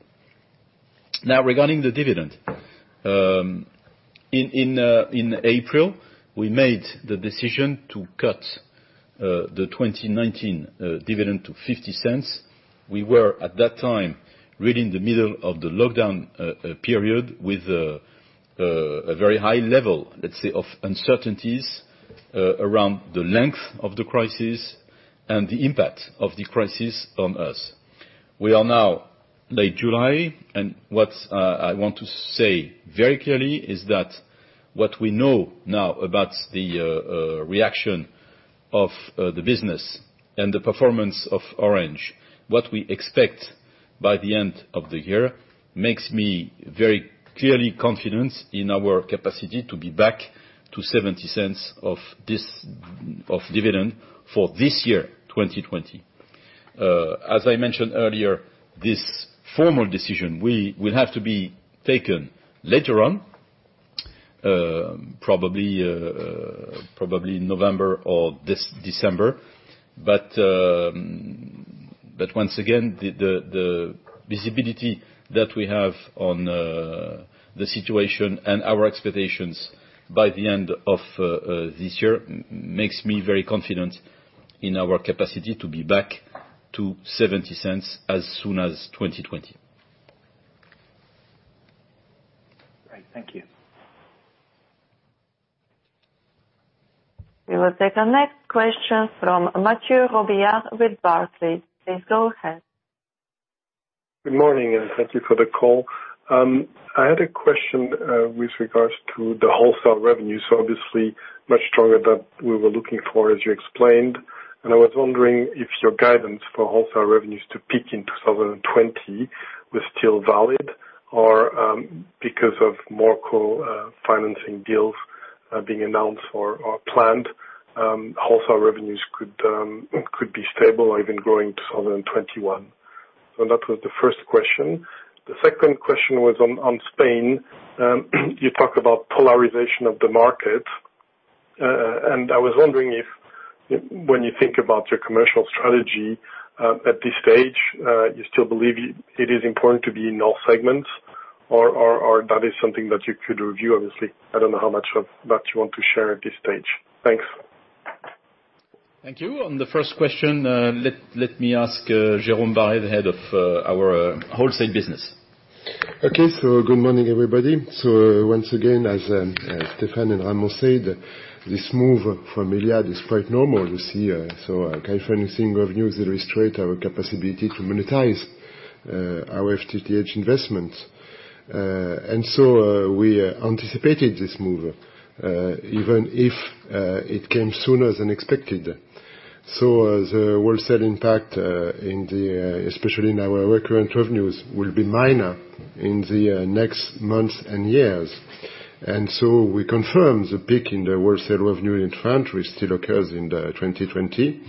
Now, regarding the dividend, in April, we made the decision to cut the 2019 dividend to 0.50. We were at that time really in the middle of the lockdown period with a very high level, let's say, of uncertainties around the length of the crisis and the impact of the crisis on us. We are now late July, and what I want to say very clearly is that what we know now about the reaction of the business and the performance of Orange, what we expect by the end of the year makes me very clearly confident in our capacity to be back to 0.70 of dividend for this year, 2020. As I mentioned earlier, this formal decision will have to be taken later on, probably November or December. Once again, the visibility that we have on the situation and our expectations by the end of this year makes me very confident in our capacity to be back to 0.70 as soon as 2020. Great. Thank you. We will take our next question from Mathieu Robilliard with Barclays. Please go ahead. Good morning, and thank you for the call. I had a question with regards to the wholesale revenues. Obviously, much stronger than we were looking for, as you explained. I was wondering if your guidance for wholesale revenues to peak in 2020 was still valid or because of more co-financing deals being announced or planned, wholesale revenues could be stable or even growing in 2021. That was the first question. The second question was on Spain. You talked about polarization of the market. I was wondering if when you think about your commercial strategy at this stage, you still believe it is important to be in all segments, or that is something that you could review? Obviously, I do not know how much of that you want to share at this stage. Thanks. Thank you. On the first question, let me ask Jérôme Barré, the head of our wholesale business. Okay. Good morning, everybody. Once again, as Stéphane and Ramon said, this move from Iliad is quite normal. You see, co-financing revenues illustrate our capacity to monetize our FTTH investments. We anticipated this move, even if it came sooner than expected. The wholesale impact, especially in our recurrent revenues, will be minor in the next months and years. We confirm the peak in the wholesale revenue in France which still occurs in 2020.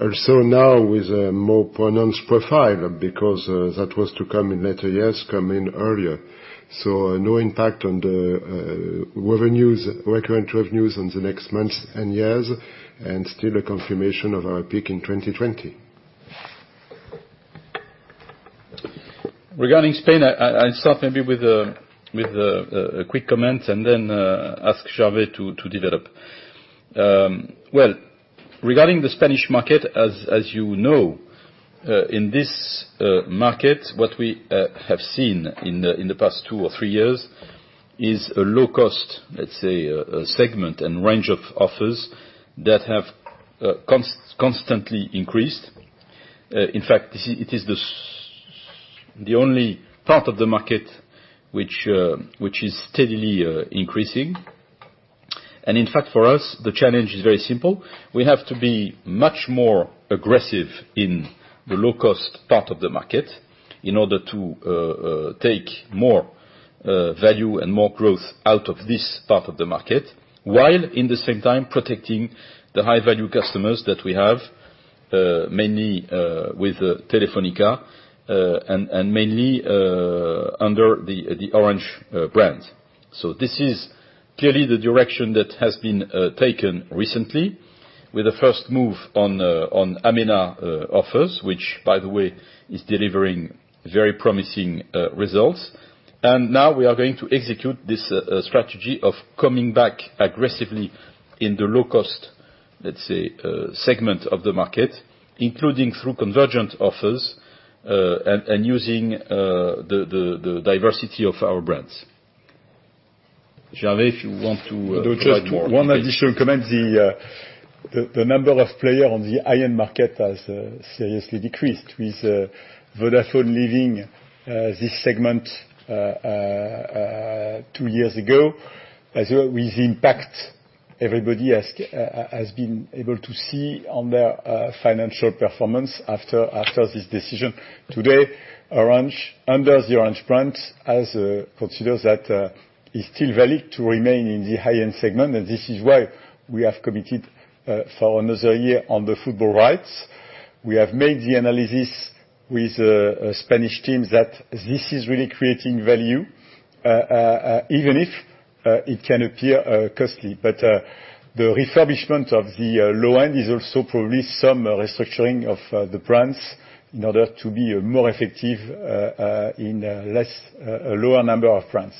Also now with a more pronounced profile because that was to come in later years, come in earlier. No impact on the revenues, recurrent revenues in the next months and years, and still a confirmation of our peak in 2020. Regarding Spain, I'll start maybe with a quick comment and then ask Gervais to develop. Regarding the Spanish market, as you know, in this market, what we have seen in the past two or three years is a low-cost, let's say, segment and range of offers that have constantly increased. In fact, it is the only part of the market which is steadily increasing. In fact, for us, the challenge is very simple. We have to be much more aggressive in the low-cost part of the market in order to take more value and more growth out of this part of the market while at the same time protecting the high-value customers that we have, mainly with Telefónica and mainly under the Orange brand. This is clearly the direction that has been taken recently with the first move on Amena Offers, which, by the way, is delivering very promising results. Now we are going to execute this strategy of coming back aggressively in the low-cost, let's say, segment of the market, including through convergent offers and using the diversity of our brands. Gervais, if you want to add more to that. One additional comment. The number of players on the iron market has seriously decreased with Vodafone leaving this segment two years ago, with the impact everybody has been able to see on their financial performance after this decision. Today, Orange, under the Orange brand, has considered that it's still valid to remain in the high-end segment. This is why we have committed for another year on the football rights. We have made the analysis with the Spanish teams that this is really creating value, even if it can appear costly. The refurbishment of the low-end is also probably some restructuring of the brands in order to be more effective in a lower number of brands.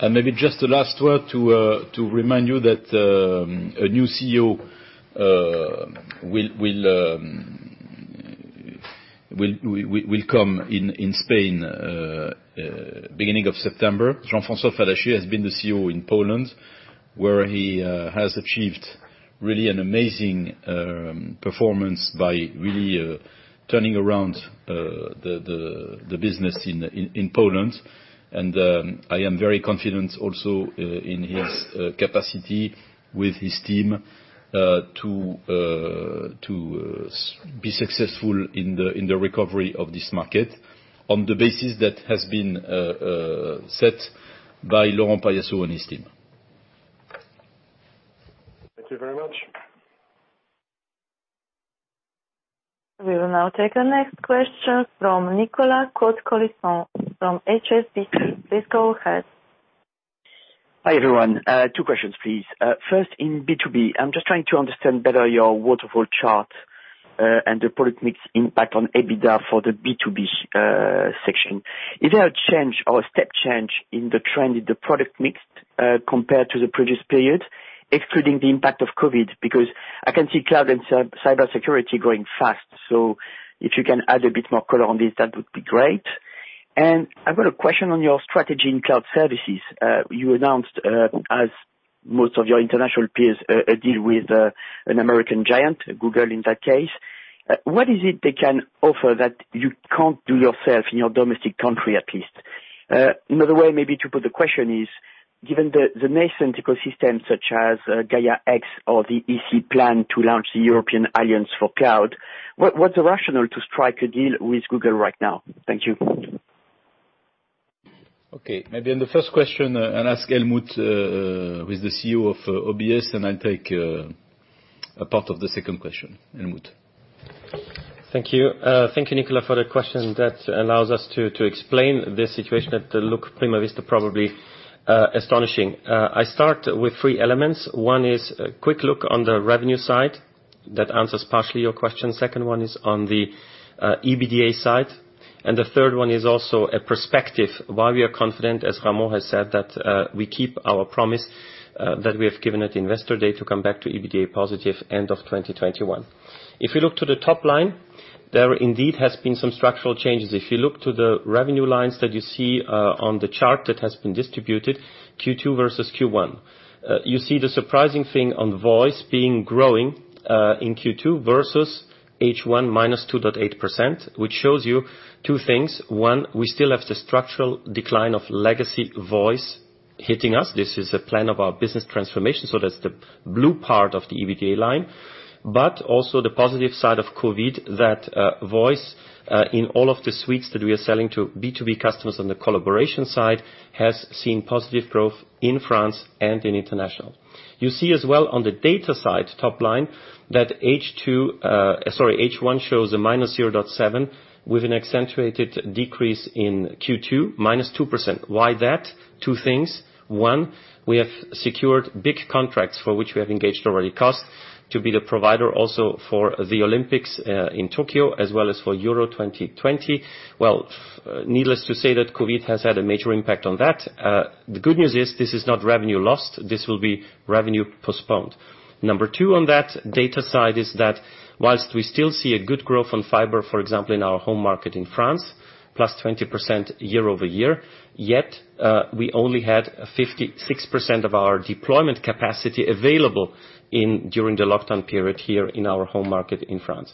Maybe just the last word to remind you that a new CEO will come in Spain beginning of September. Jean-François Fallacher has been the CEO in Poland, where he has achieved really an amazing performance by really turning around the business in Poland. I am very confident also in his capacity with his team to be successful in the recovery of this market on the basis that has been set by Laurent Paillassou and his team. Thank you very much. We will now take the next question from Nicolas Cote-Colisson from HSBC. Please go ahead. Hi everyone. Two questions, please. First, in B2B, I'm just trying to understand better your waterfall chart and the product mix impact on EBITDA for the B2B section. Is there a change or a step change in the trend in the product mix compared to the previous period, excluding the impact of COVID? Because I can see cloud and cybersecurity growing fast. If you can add a bit more color on this, that would be great. I have got a question on your strategy in cloud services. You announced, as most of your international peers, a deal with an American giant, Google in that case. What is it they can offer that you cannot do yourself in your domestic country, at least? Another way maybe to put the question is, given the nascent ecosystem such as Gaia-X or the EC plan to launch the European Alliance for Cloud, what is the rationale to strike a deal with Google right now? Thank you. Okay. Maybe on the first question, I will ask Helmut, who is the CEO of OBS, and I will take part of the second question. Helmut. Thank you. Thank you, Nicolas, for the question that allows us to explain this situation at the look-prima vista, probably astonishing. I start with three elements. One is a quick look on the revenue side that answers partially your question. Second one is on the EBITDA side. The third one is also a perspective, why we are confident, as Ramon has said, that we keep our promise that we have given at Investor Day to come back to EBITDA positive end of 2021. If you look to the top line, there indeed has been some structural changes. If you look to the revenue lines that you see on the chart that has been distributed, Q2 versus Q1, you see the surprising thing on voice being growing in Q2 versus H1 minus 2.8%, which shows you two things. One, we still have the structural decline of legacy voice hitting us. This is a plan of our business transformation. That is the blue part of the EBITDA line. Also the positive side of COVID that voice in all of the suites that we are selling to B2B customers on the collaboration side has seen positive growth in France and in international. You see as well on the data side, top line, that H2 sorry, H1 shows a minus 0.7% with an accentuated decrease in Q2, minus 2%. Why that? Two things. One, we have secured big contracts for which we have engaged already cost to be the provider also for the Olympics in Tokyo as well as for Euro 2020. Needless to say that COVID has had a major impact on that. The good news is this is not revenue lost. This will be revenue postponed. Number two on that data side is that whilst we still see a good growth on fiber, for example, in our home market in France, plus 20% year-over-year, yet we only had 56% of our deployment capacity available during the lockdown period here in our home market in France.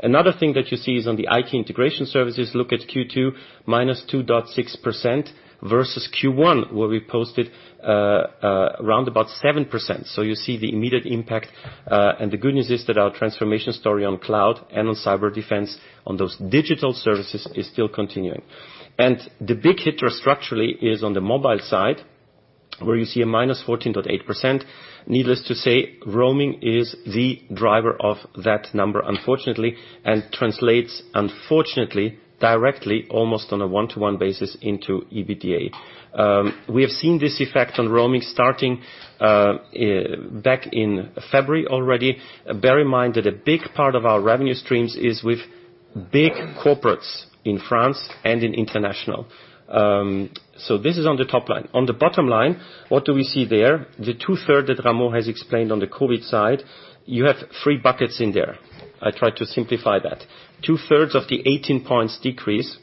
Another thing that you see is on the IT integration services. Look at Q2, minus 2.6% versus Q1, where we posted around about 7%. You see the immediate impact. The good news is that our transformation story on cloud and on cyber defense on those digital services is still continuing. The big hit structurally is on the mobile side, where you see a minus 14.8%. Needless to say, roaming is the driver of that number, unfortunately, and translates, unfortunately, directly almost on a one-to-one basis into EBITDA. We have seen this effect on roaming starting back in February already. Bear in mind that a big part of our revenue streams is with big corporates in France and in international. This is on the top line. On the bottom line, what do we see there? The two-thirds that Ramon has explained on the COVID side, you have three buckets in there. I tried to simplify that. Two-thirds of the 18 percentage points decrease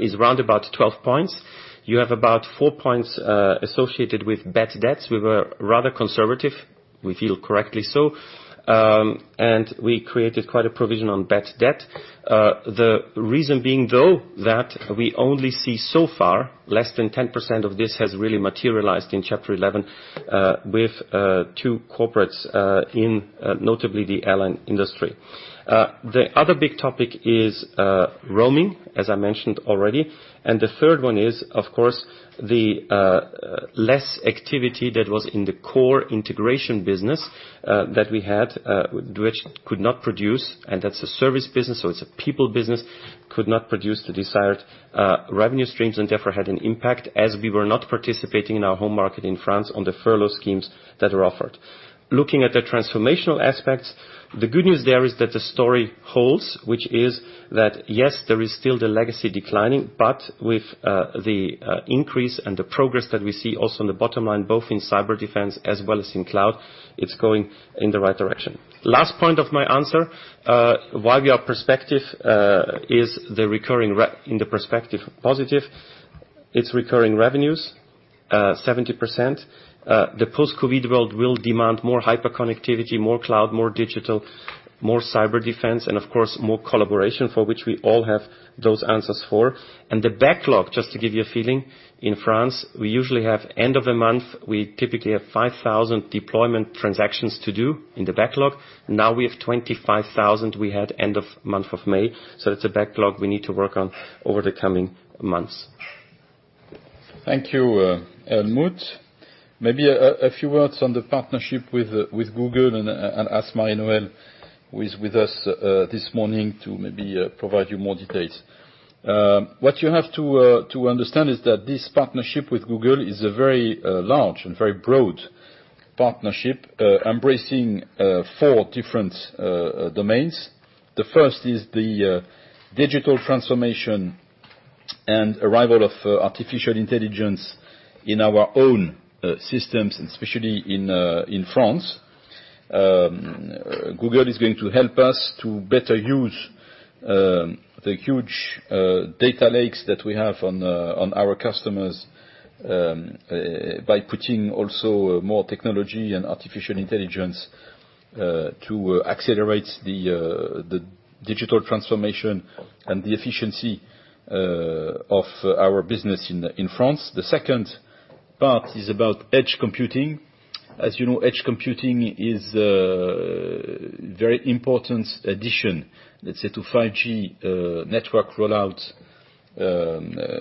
is round about 12 percentage points. You have about 4 percentage points associated with bad debts. We were rather conservative. We feel correctly so. We created quite a provision on bad debt. The reason being, though, that we only see so far, less than 10% of this has really materialized in Chapter 11 with two corporates, notably the airline industry. The other big topic is roaming, as I mentioned already. The third one is, of course, the less activity that was in the core integration business that we had, which could not produce, and that's a service business, so it's a people business, could not produce the desired revenue streams and therefore had an impact as we were not participating in our home market in France on the furlough schemes that were offered. Looking at the transformational aspects, the good news there is that the story holds, which is that yes, there is still the legacy declining, but with the increase and the progress that we see also on the bottom line, both in cyber defense as well as in cloud, it's going in the right direction. Last point of my answer, why we are perspective is the recurring in the perspective positive. It's recurring revenues, 70%. The post-COVID world will demand more hyperconnectivity, more cloud, more digital, more cyber defense, and of course, more collaboration for which we all have those answers for. The backlog, just to give you a feeling, in France, we usually have end of the month, we typically have 5,000 deployment transactions to do in the backlog. Now we have 25,000 we had end of month of May. It is a backlog we need to work on over the coming months. Thank you, Helmut. Maybe a few words on the partnership with Google and ask Mari‑Noëlle who is with us this morning to maybe provide you more details. What you have to understand is that this partnership with Google is a very large and very broad partnership embracing four different domains. The first is the digital transformation and arrival of artificial intelligence in our own systems, especially in France. Google is going to help us to better use the huge data lakes that we have on our customers by putting also more technology and artificial intelligence to accelerate the digital transformation and the efficiency of our business in France. The second part is about edge computing. As you know, edge computing is a very important addition, let's say, to 5G network rollouts.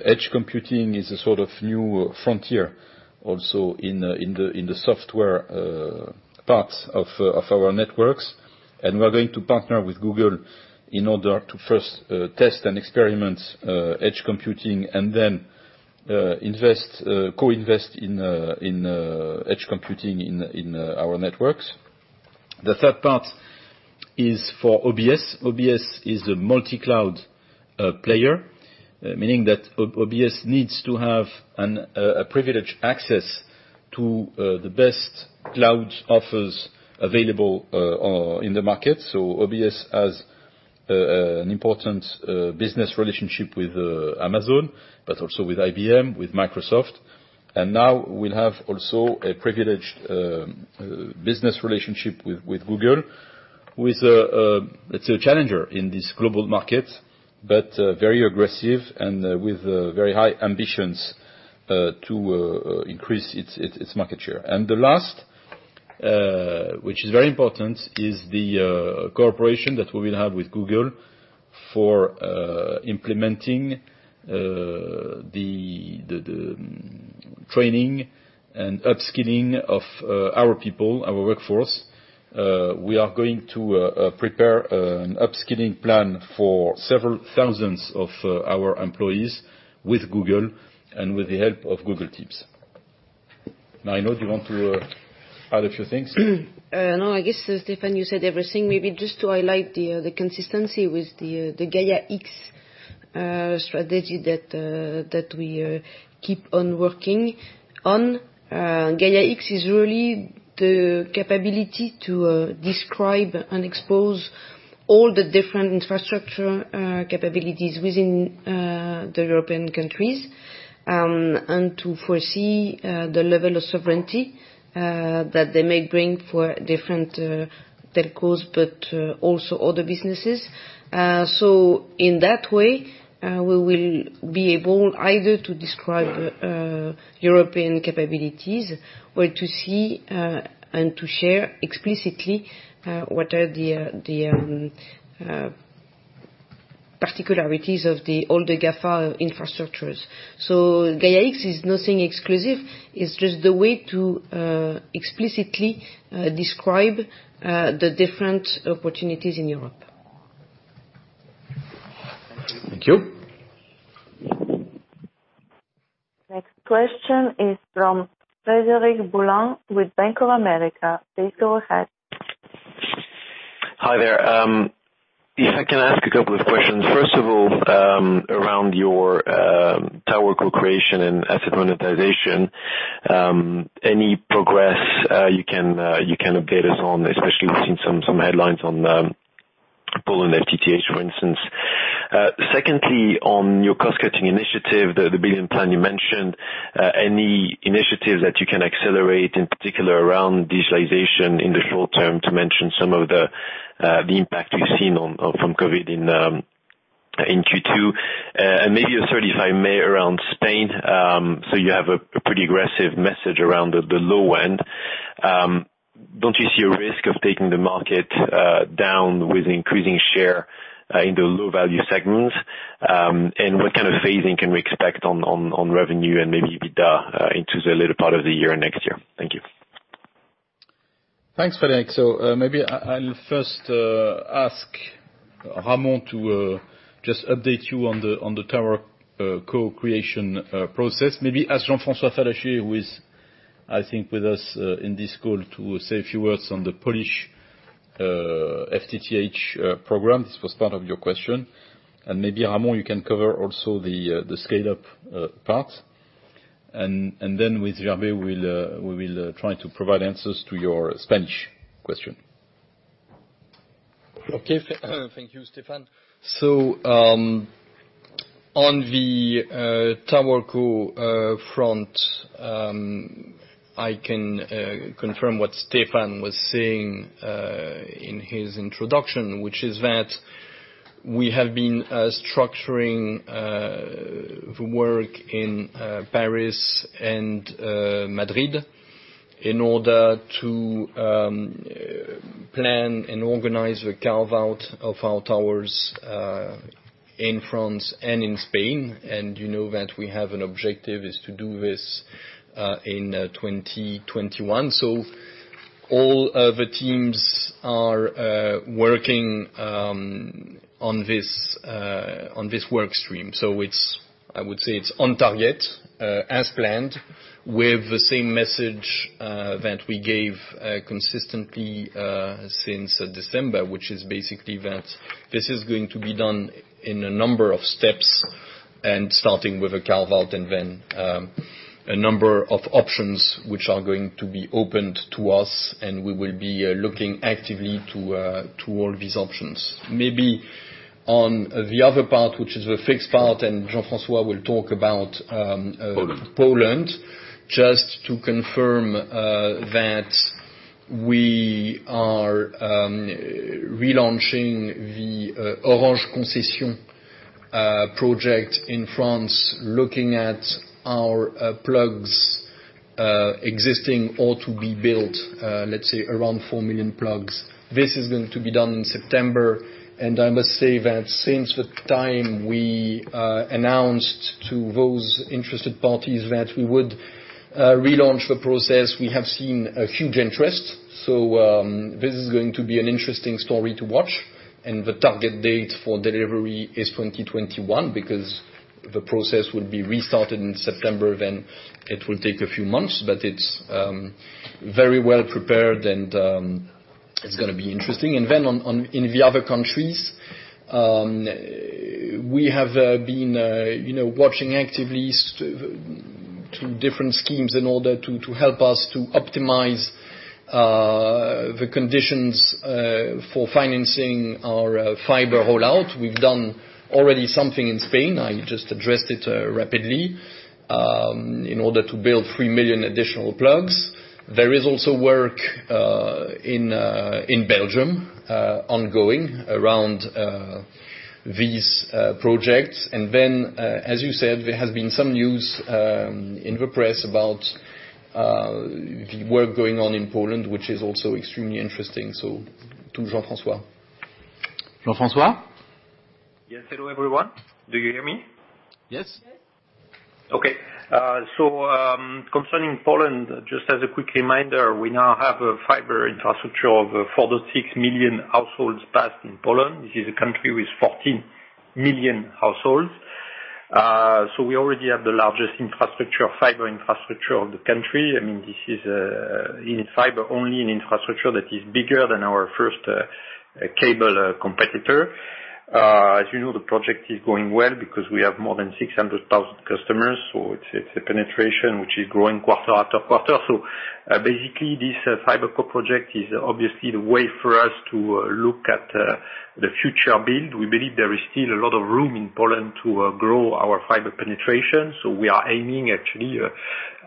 Edge computing is a sort of new frontier also in the software parts of our networks. We are going to partner with Google in order to first test and experiment edge computing and then co-invest in edge computing in our networks. The third part is for OBS. OBS is a multi-cloud player, meaning that OBS needs to have privileged access to the best cloud offers available in the market. OBS has an important business relationship with Amazon, but also with IBM, with Microsoft. We will have also a privileged business relationship with Google, with, let's say, a challenger in this global market, but very aggressive and with very high ambitions to increase its market share. The last, which is very important, is the cooperation that we will have with Google for implementing the training and upskilling of our people, our workforce. We are going to prepare an upskilling plan for several thousands of our employees with Google and with the help of Google Teams. Mari‑Noëlle, do you want to add a few things? No, I guess, Stéphane, you said everything. Maybe just to highlight the consistency with the Gaia-X strategy that we keep on working on. Gaia-X is really the capability to describe and expose all the different infrastructure capabilities within the European countries and to foresee the level of sovereignty that they may bring for different telcos, but also other businesses. In that way, we will be able either to describe European capabilities or to see and to share explicitly what are the particularities of all the GAFA infrastructures. Gaia-X is nothing exclusive. It is just the way to explicitly describe the different opportunities in Europe. Thank you. Next question is from Frederic Boulan with Bank of America. Please go ahead. Hi there. If I can ask a couple of questions. First of all, around your tower co-creation and asset monetization, any progress you can update us on, especially seeing some headlines on Bouygues and FTTH, for instance. Secondly, on your cost-cutting initiative, the billion plan you mentioned, any initiatives that you can accelerate, in particular around digitalization in the short term, to mention some of the impact we've seen from COVID in Q2? Maybe a third, if I may, around Spain. You have a pretty aggressive message around the low end. Don't you see a risk of taking the market down with increasing share in the low-value segments? What kind of phasing can we expect on revenue and maybe EBITDA into the later part of the year and next year? Thank you. Thanks, Frederic. Maybe I'll first ask Ramon to just update you on the tower co-creation process. Maybe ask Jean-François Fallacher, who is, I think, with us in this call, to say a few words on the Polish FTTH program. This was part of your question. Maybe Ramon, you can cover also the scale-up part. With Gervais, we will try to provide answers to your Spanish question. Okay. Thank you, Stéphane. On the tower co front, I can confirm what Stéphane was saying in his introduction, which is that we have been structuring the work in Paris and Madrid in order to plan and organize the carve-out of our towers in France and in Spain. You know that we have an objective is to do this in 2021. All the teams are working on this work stream. I would say it's on target, as planned, with the same message that we gave consistently since December, which is basically that this is going to be done in a number of steps and starting with a carve-out and then a number of options which are going to be opened to us. We will be looking actively to all these options. Maybe on the other part, which is the fixed part, and Jean-François will talk about Poland, just to confirm that we are relaunching the Orange concession project in France, looking at our plugs existing or to be built, let's say, around 4 million plugs. This is going to be done in September. I must say that since the time we announced to those interested parties that we would relaunch the process, we have seen a huge interest. This is going to be an interesting story to watch. The target date for delivery is 2021 because the process will be restarted in September. It will take a few months, but it's very well prepared and it's going to be interesting. In the other countries, we have been watching actively through different schemes in order to help us to optimize the conditions for financing our fiber rollout. We have done already something in Spain. I just addressed it rapidly in order to build 3 million additional plugs. There is also work in Belgium ongoing around these projects. As you said, there has been some news in the press about the work going on in Poland, which is also extremely interesting. To Jean-François. Jean-François? Yes. Hello everyone. Do you hear me? Yes. Yes. Okay. Concerning Poland, just as a quick reminder, we now have a fiber infrastructure of 4.6 million households passed in Poland. This is a country with 14 million households. We already have the largest fiber infrastructure of the country. I mean, this is only an infrastructure that is bigger than our first cable competitor. As you know, the project is going well because we have more than 600,000 customers. It's a penetration which is growing quarter after quarter. Basically, this fiber co project is obviously the way for us to look at the future build. We believe there is still a lot of room in Poland to grow our fiber penetration. We are aiming actually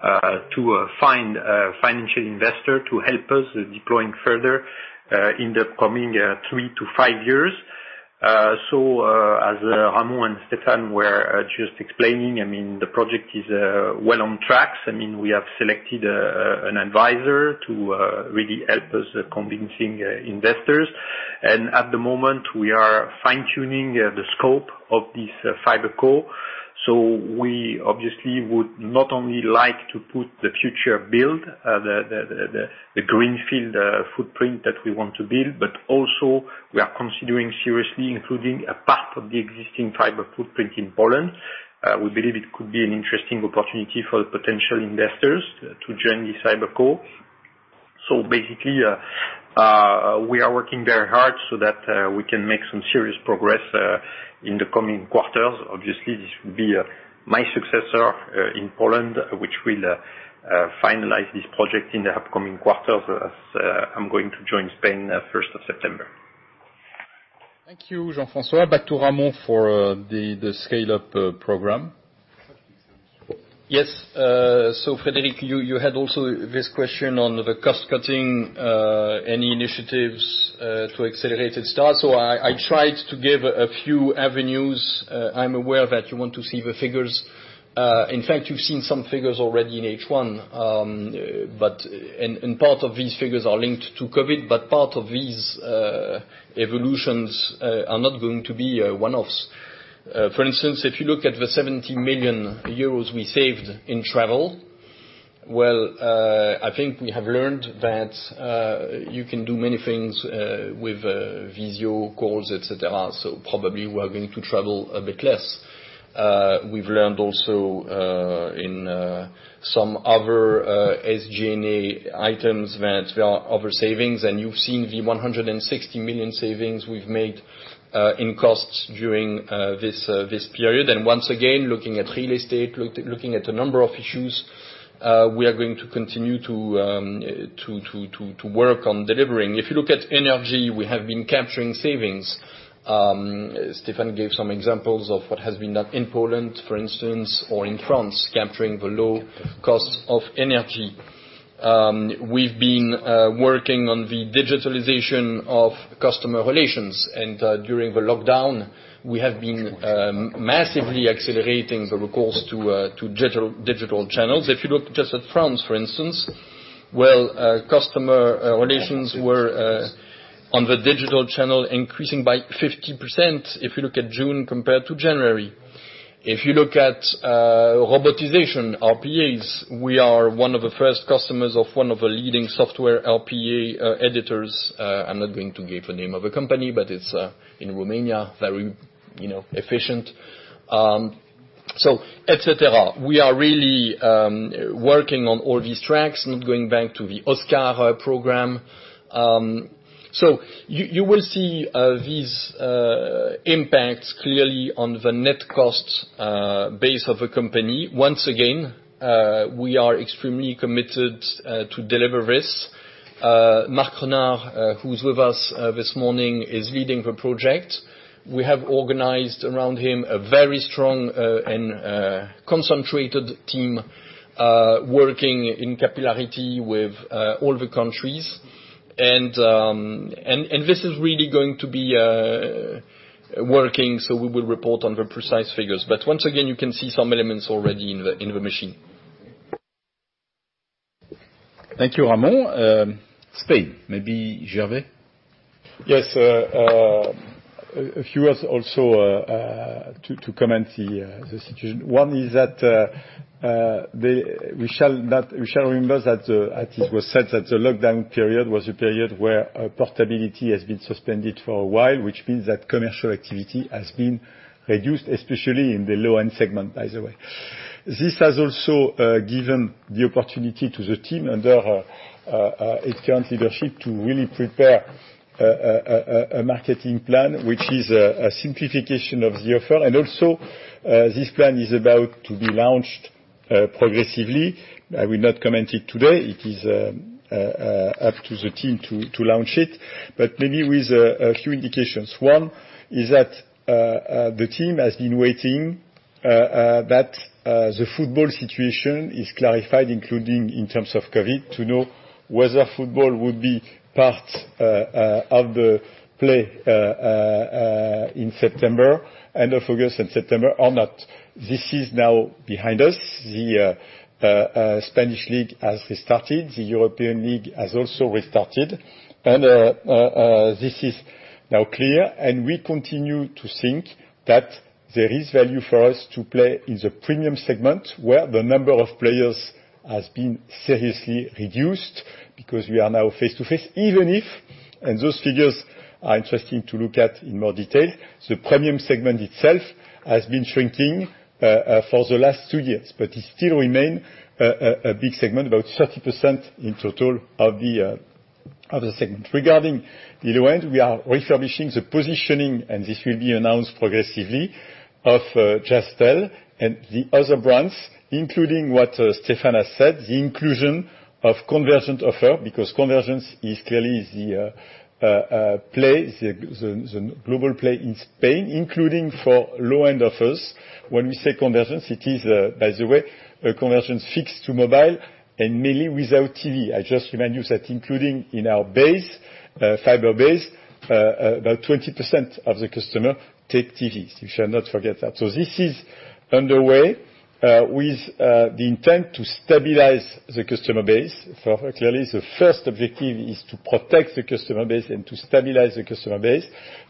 to find a financial investor to help us deploying further in the coming three to five years. As Ramon and Stéphane were just explaining, I mean, the project is well on track. We have selected an advisor to really help us convincing investors. At the moment, we are fine-tuning the scope of this fiber co. We obviously would not only like to put the future build, the greenfield footprint that we want to build, but also we are considering seriously including a part of the existing fiber footprint in Poland. We believe it could be an interesting opportunity for potential investors to join the fiber cool. Basically, we are working very hard so that we can make some serious progress in the coming quarters. Obviously, this would be my successor in Poland, which will finalize this project in the upcoming quarters as I am going to join Spain 1st of September. Thank you, Jean-François, back to Ramon for the scale-up program. Yes. Frederic, you had also this question on the cost-cutting, any initiatives to accelerate it start. I tried to give a few avenues. I am aware that you want to see the figures. In fact, you have seen some figures already in H1. Part of these figures are linked to COVID, but part of these evolutions are not going to be one-offs. For instance, if you look at the 70 million euros we saved in travel, I think we have learned that you can do many things with video calls, etc. Probably we are going to travel a bit less. We have learned also in some other SG&A items that there are other savings. You have seen the 160 million savings we have made in costs during this period. Once again, looking at real estate, looking at a number of issues, we are going to continue to work on delivering. If you look at energy, we have been capturing savings. Stéphane gave some examples of what has been done in Poland, for instance, or in France, capturing the low costs of energy. We have been working on the digitalization of customer relations. During the lockdown, we have been massively accelerating the recourse to digital channels. If you look just at France, for instance, customer relations were on the digital channel increasing by 50% if you look at June compared to January. If you look at robotization, RPAs, we are one of the first customers of one of the leading software RPA editors. I'm not going to give the name of the company, but it is in Romania, very efficient. We are really working on all these tracks, not going back to the OSCAR program. You will see these impacts clearly on the net cost base of the company. Once again, we are extremely committed to deliver this. Marc Renard, who's with us this morning, is leading the project. We have organized around him a very strong and concentrated team working in capillarity with all the countries. This is really going to be working, so we will report on the precise figures. Once again, you can see some elements already in the machine. Thank you, Ramon. Spain, maybe Gervais. Yes. A few words also to comment the situation. One is that we shall remember that it was said that the lockdown period was a period where portability has been suspended for a while, which means that commercial activity has been reduced, especially in the low-end segment, by the way. This has also given the opportunity to the team under its current leadership to really prepare a marketing plan, which is a simplification of the offer. Also, this plan is about to be launched progressively. I will not comment it today. It is up to the team to launch it. Maybe with a few indications. One is that the team has been waiting that the football situation is clarified, including in terms of COVID, to know whether football would be part of the play in September, end of August and September or not. This is now behind us. The Spanish league has restarted. The European league has also restarted. This is now clear. We continue to think that there is value for us to play in the premium segment where the number of players has been seriously reduced because we are now face-to-face, even if, and those figures are interesting to look at in more detail, the premium segment itself has been shrinking for the last two years, but it still remains a big segment, about 30% in total of the segment. Regarding the low-end, we are refurbishing the positioning, and this will be announced progressively, of Jazztel and the other brands, including what Stéphane has said, the inclusion of convergent offer, because convergence is clearly the global play in Spain, including for low-end offers. When we say convergence, it is, by the way, a convergence fixed to mobile and mainly without TV. I just remind you that including in our fiber base, about 20% of the customers take TVs. You shall not forget that. This is underway with the intent to stabilize the customer base. Clearly, the first objective is to protect the customer base and to stabilize the customer base.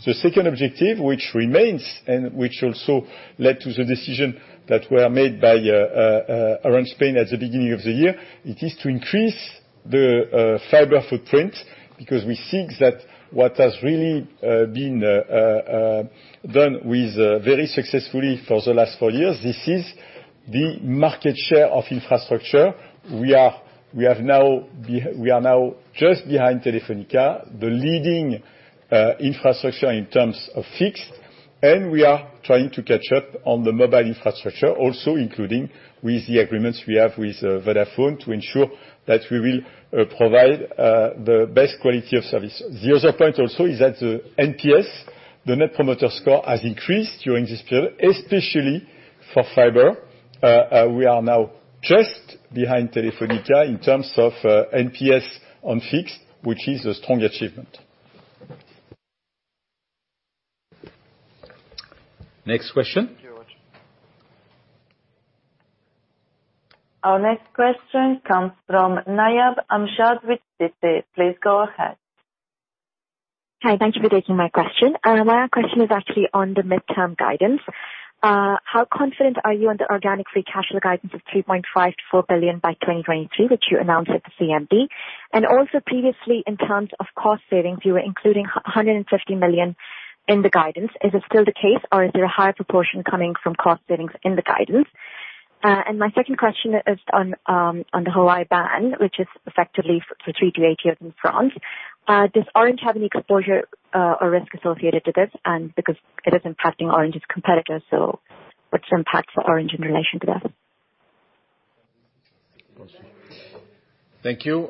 The second objective, which remains and which also led to the decision that were made by Orange Spain at the beginning of the year, it is to increase the fiber footprint because we see that what has really been done very successfully for the last four years, this is the market share of infrastructure. We are now just behind Telefónica, the leading infrastructure in terms of fixed. We are trying to catch up on the mobile infrastructure, also including with the agreements we have with Vodafone to ensure that we will provide the best quality of service. The other point also is that the NPS, the net promoter score, has increased during this period, especially for fiber. We are now just behind Telefónica in terms of NPS on fixed, which is a strong achievement. Next question. Our next question comes from Nayab Amjad with Citi. Please go ahead. Hi. Thank you for taking my question. My question is actually on the midterm guidance. How confident are you on the organic free cash flow guidance of 3.5 billion-4 billion by 2023, which you announced at the CMD? Also, previously, in terms of cost savings, you were including 150 million in the guidance. Is it still the case, or is there a higher proportion coming from cost savings in the guidance? My second question is on the Huawei ban, which is effectively for three to eight years in France. Does Orange have any exposure or risk associated with this? It is impacting Orange's competitors, so what is the impact for Orange in relation to this? Thank you.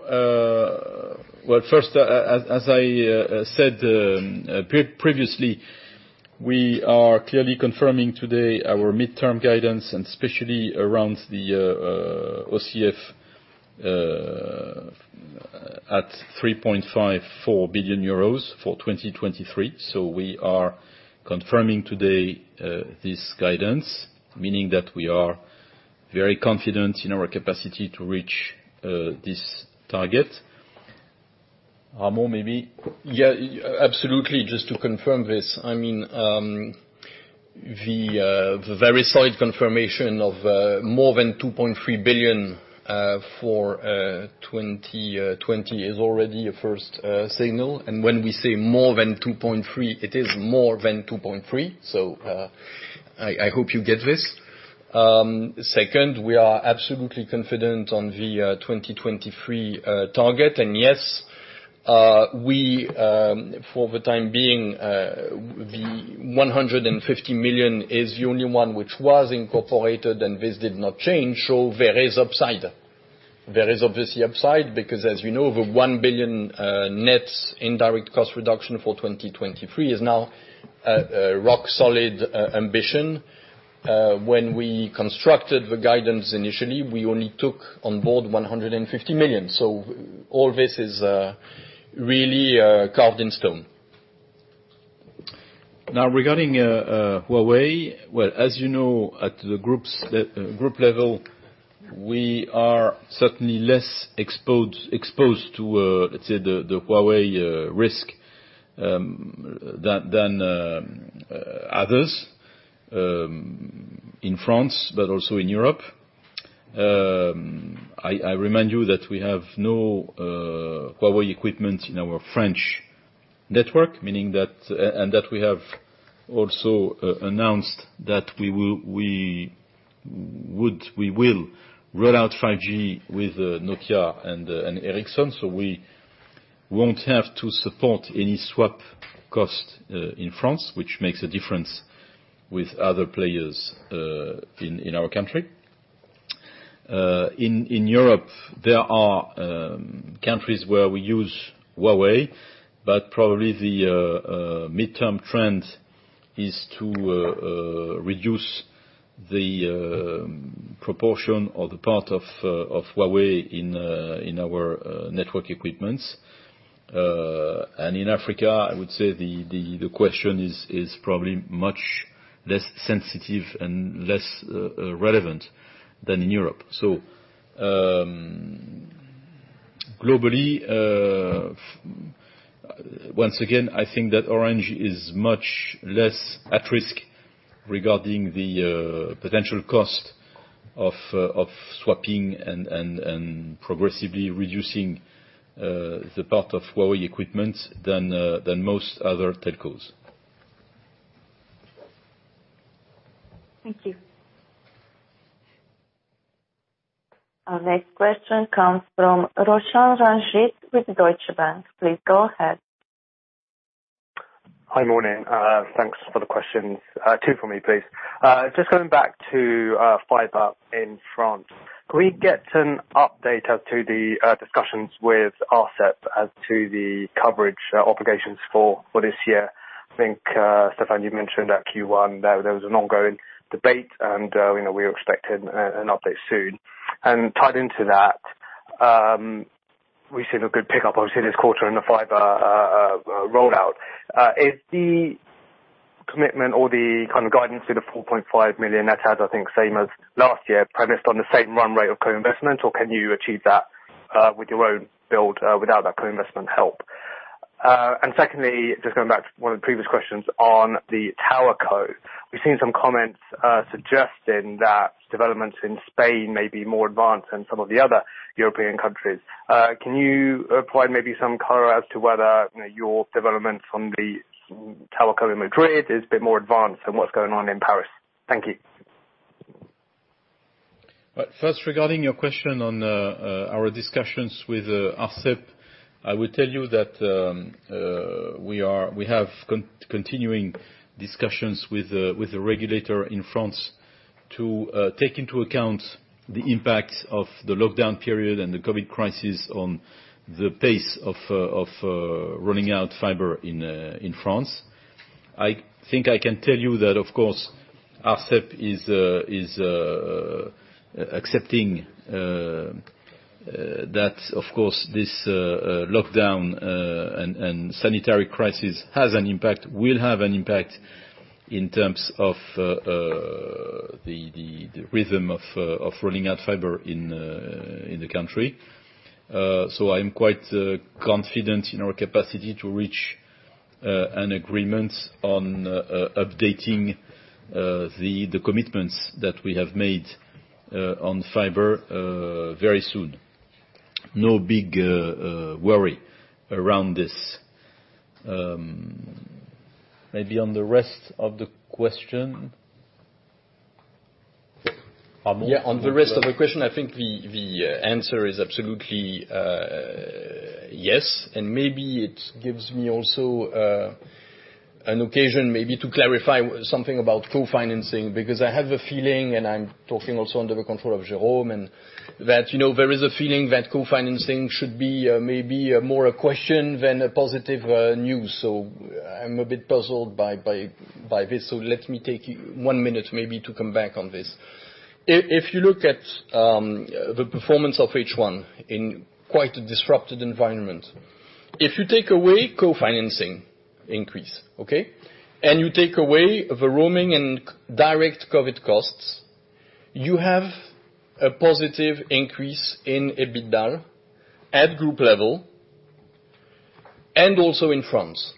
First, as I said previously, we are clearly confirming today our midterm guidance, and especially around the OCF at 3.54 billion euros for 2023. We are confirming today this guidance, meaning that we are very confident in our capacity to reach this target. Ramon, maybe? Yeah. Absolutely. Just to confirm this, I mean, the very solid confirmation of more than 2.3 billion for 2020 is already a first signal. When we say more than 2.3 billion, it is more than 2.3 billion. I hope you get this. Second, we are absolutely confident on the 2023 target. Yes, for the time being, the 150 million is the only one which was incorporated, and this did not change. There is upside. There is obviously upside because, as you know, the 1 billion net indirect cost reduction for 2023 is now a rock-solid ambition. When we constructed the guidance initially, we only took on board 150 million. All this is really carved in stone. Now, regarding Huawei, as you know, at the group level, we are certainly less exposed to, let's say, the Huawei risk than others in France, but also in Europe. I remind you that we have no Huawei equipment in our French network, and that we have also announced that we will roll out 5G with Nokia and Ericsson. We won't have to support any swap cost in France, which makes a difference with other players in our country. In Europe, there are countries where we use Huawei, but probably the midterm trend is to reduce the proportion or the part of Huawei in our network equipments. In Africa, I would say the question is probably much less sensitive and less relevant than in Europe. Globally, once again, I think that Orange is much less at risk regarding the potential cost of swapping and progressively reducing the part of Huawei equipment than most other telcos. Thank you. Our next question comes from Roshan Ranjit with Deutsche Bank. Please go ahead. Hi, morning. Thanks for the questions. Two for me, please. Just going back to fiber in France. Can we get an update as to the discussions with ARCEP as to the coverage obligations for this year? I think, Stéphane, you mentioned at Q1 there was an ongoing debate, and we were expecting an update soon. Tied into that, we've seen a good pickup, obviously, this quarter in the fiber rollout. Is the commitment or the kind of guidance for the 4.5 million net adds, I think, same as last year, premised on the same run rate of co-investment, or can you achieve that with your own build without that co-investment help? Secondly, just going back to one of the previous questions on the TowerCo, we've seen some comments suggesting that developments in Spain may be more advanced than some of the other European countries. Can you provide maybe some color as to whether your development on the TowerCo in Madrid is a bit more advanced than what's going on in Paris? Thank you. First, regarding your question on our discussions with ARCEP, I will tell you that we have continuing discussions with the regulator in France to take into account the impact of the lockdown period and the COVID crisis on the pace of running out fiber in France. I think I can tell you that, of course, ARCEP is accepting that, of course, this lockdown and sanitary crisis will have an impact in terms of the rhythm of running out fiber in the country. I am quite confident in our capacity to reach an agreement on updating the commitments that we have made on fiber very soon. No big worry around this. Maybe on the rest of the question? Yeah. On the rest of the question, I think the answer is absolutely yes. It gives me also an occasion maybe to clarify something about co-financing because I have a feeling, and I'm talking also under the control of Jérôme, that there is a feeling that co-financing should be maybe more a question than a positive news. I am a bit puzzled by this. Let me take one minute maybe to come back on this. If you look at the performance of H1 in quite a disrupted environment, if you take away co-financing increase, okay, and you take away the roaming and direct COVID costs, you have a positive increase in EBITDA at group level and also in France.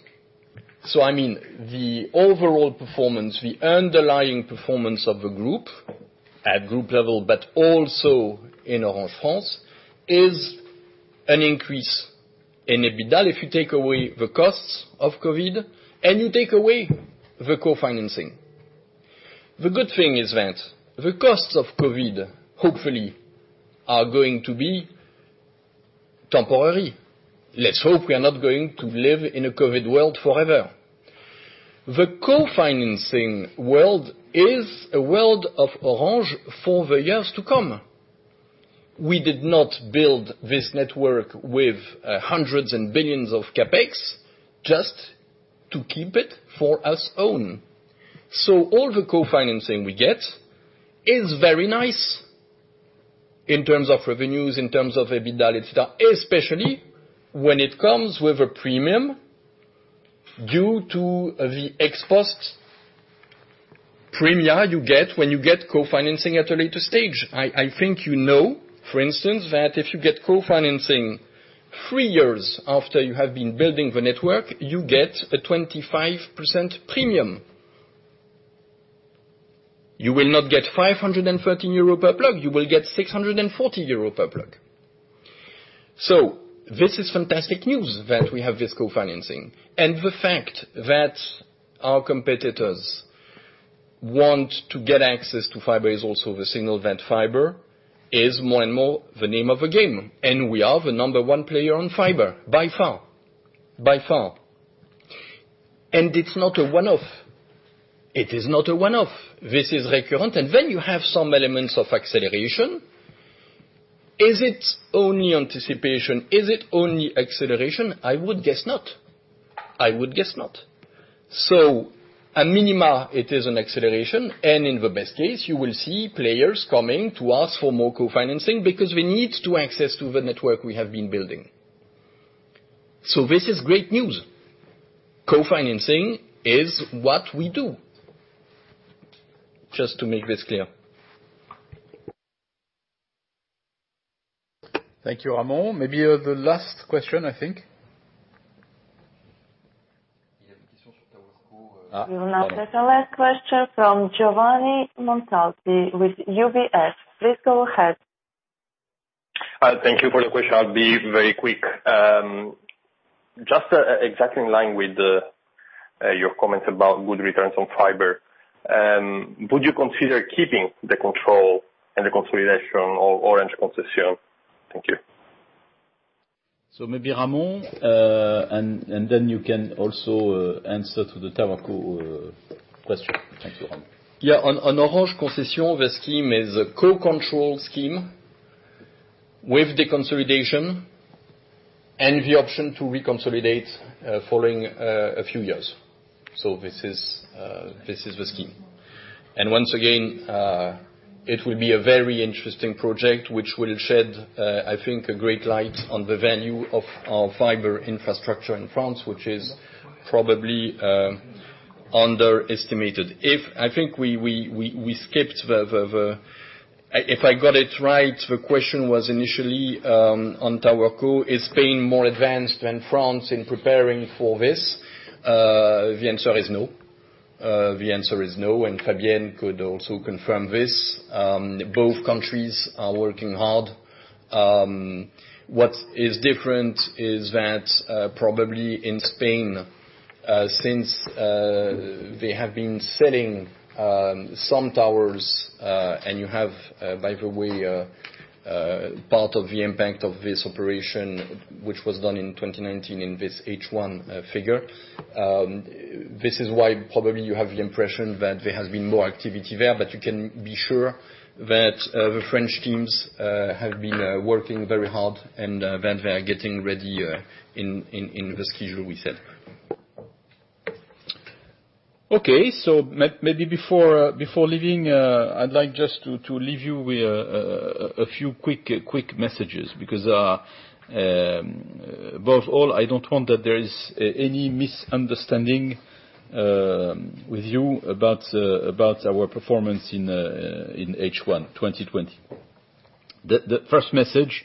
I mean, the overall performance, the underlying performance of the group at group level, but also in Orange France, is an increase in EBITDA if you take away the costs of COVID and you take away the co-financing. The good thing is that the costs of COVID, hopefully, are going to be temporary. Let's hope we are not going to live in a COVID world forever. The co-financing world is a world of Orange for the years to come. We did not build this network with hundreds and billions of CapEx just to keep it for us own. All the co-financing we get is very nice in terms of revenues, in terms of EBITDA, etc., especially when it comes with a premium due to the ex post premia you get when you get co-financing at a later stage. I think you know, for instance, that if you get co-financing three years after you have been building the network, you get a 25% premium. You will not get 513 euro per plug. You will get 640 euro per plug. This is fantastic news that we have this co-financing. The fact that our competitors want to get access to fiber is also the signal that fiber is more and more the name of the game. We are the number one player on fiber by far. By far. It is not a one-off. It is not a one-off. This is recurrent. You have some elements of acceleration. Is it only anticipation? Is it only acceleration? I would guess not. I would guess not. At a minimum, it is an acceleration. In the best case, you will see players coming to ask for more co-financing because we need to access to the network we have been building. This is great news. Co-financing is what we do, just to make this clear. Thank you, Ramon. Maybe the last question, I think. Il y a des questions sur TowerCo. We will now take the last question from Giovanni Montalti with UBS. Please go ahead. Thank you for the question. I'll be very quick. Just exactly in line with your comments about good returns on fiber, would you consider keeping the control and the consolidation of Orange concession? Thank you. Maybe Ramon, and then you can also answer to the TowerCo question. Thank you, Ramon. Yeah. On Orange concession, the scheme is a co-controlled scheme with the consolidation and the option to reconsolidate following a few years. This is the scheme. Once again, it will be a very interesting project which will shed, I think, a great light on the value of our fiber infrastructure in France, which is probably underestimated. I think we skipped the—if I got it right, the question was initially on TowerCo: Is Spain more advanced than France in preparing for this? The answer is no. The answer is no. Fabienne could also confirm this. Both countries are working hard. What is different is that probably in Spain, since they have been selling some towers, and you have, by the way, part of the impact of this operation, which was done in 2019 in this H1 figure, this is why probably you have the impression that there has been more activity there. You can be sure that the French teams have been working very hard and that they are getting ready in the schedule we set. Okay. Maybe before leaving, I'd like just to leave you with a few quick messages because, above all, I don't want that there is any misunderstanding with you about our performance in H1 2020. The first message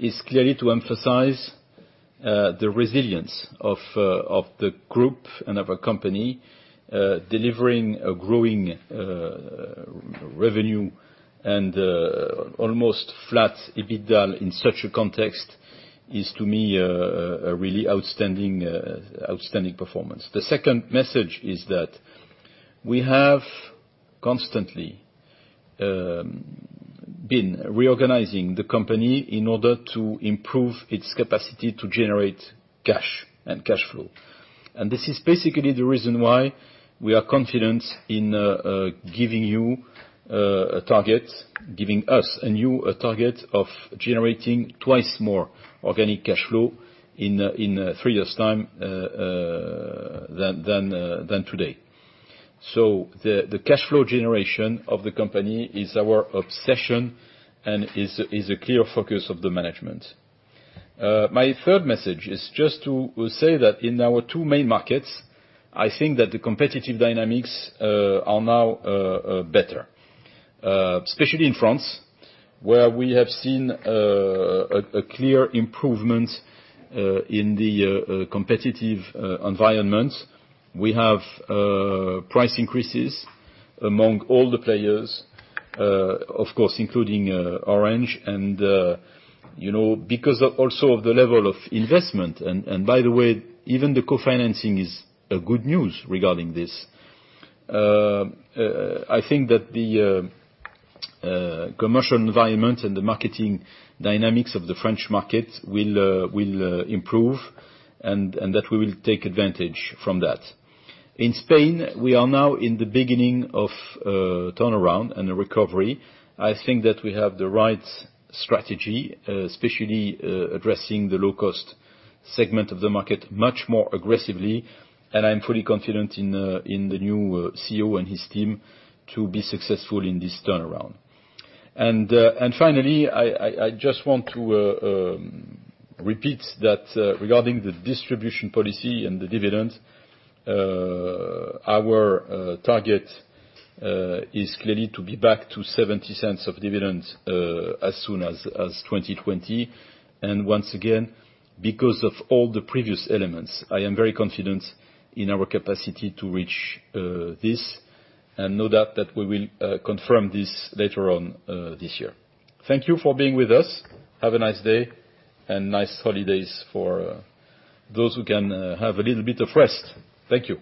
is clearly to emphasize the resilience of the group and of our company delivering a growing revenue, and almost flat EBITDA in such a context is, to me, a really outstanding performance. The second message is that we have constantly been reorganizing the company in order to improve its capacity to generate cash and cash flow. This is basically the reason why we are confident in giving you a target, giving us a new target of generating twice more organic cash flow in three years' time than today. The cash flow generation of the company is our obsession and is a clear focus of the management. My third message is just to say that in our two main markets, I think that the competitive dynamics are now better, especially in France, where we have seen a clear improvement in the competitive environment. We have price increases among all the players, of course, including Orange. Because also of the level of investment, and by the way, even the co-financing is good news regarding this, I think that the commercial environment and the marketing dynamics of the French market will improve and that we will take advantage from that. In Spain, we are now in the beginning of a turnaround and a recovery. I think that we have the right strategy, especially addressing the low-cost segment of the market much more aggressively. I'm fully confident in the new CEO and his team to be successful in this turnaround. Finally, I just want to repeat that regarding the distribution policy and the dividend, our target is clearly to be back to 0.70 of dividend as soon as 2020. Once again, because of all the previous elements, I am very confident in our capacity to reach this and know that we will confirm this later on this year. Thank you for being with us. Have a nice day and nice holidays for those who can have a little bit of rest. Thank you.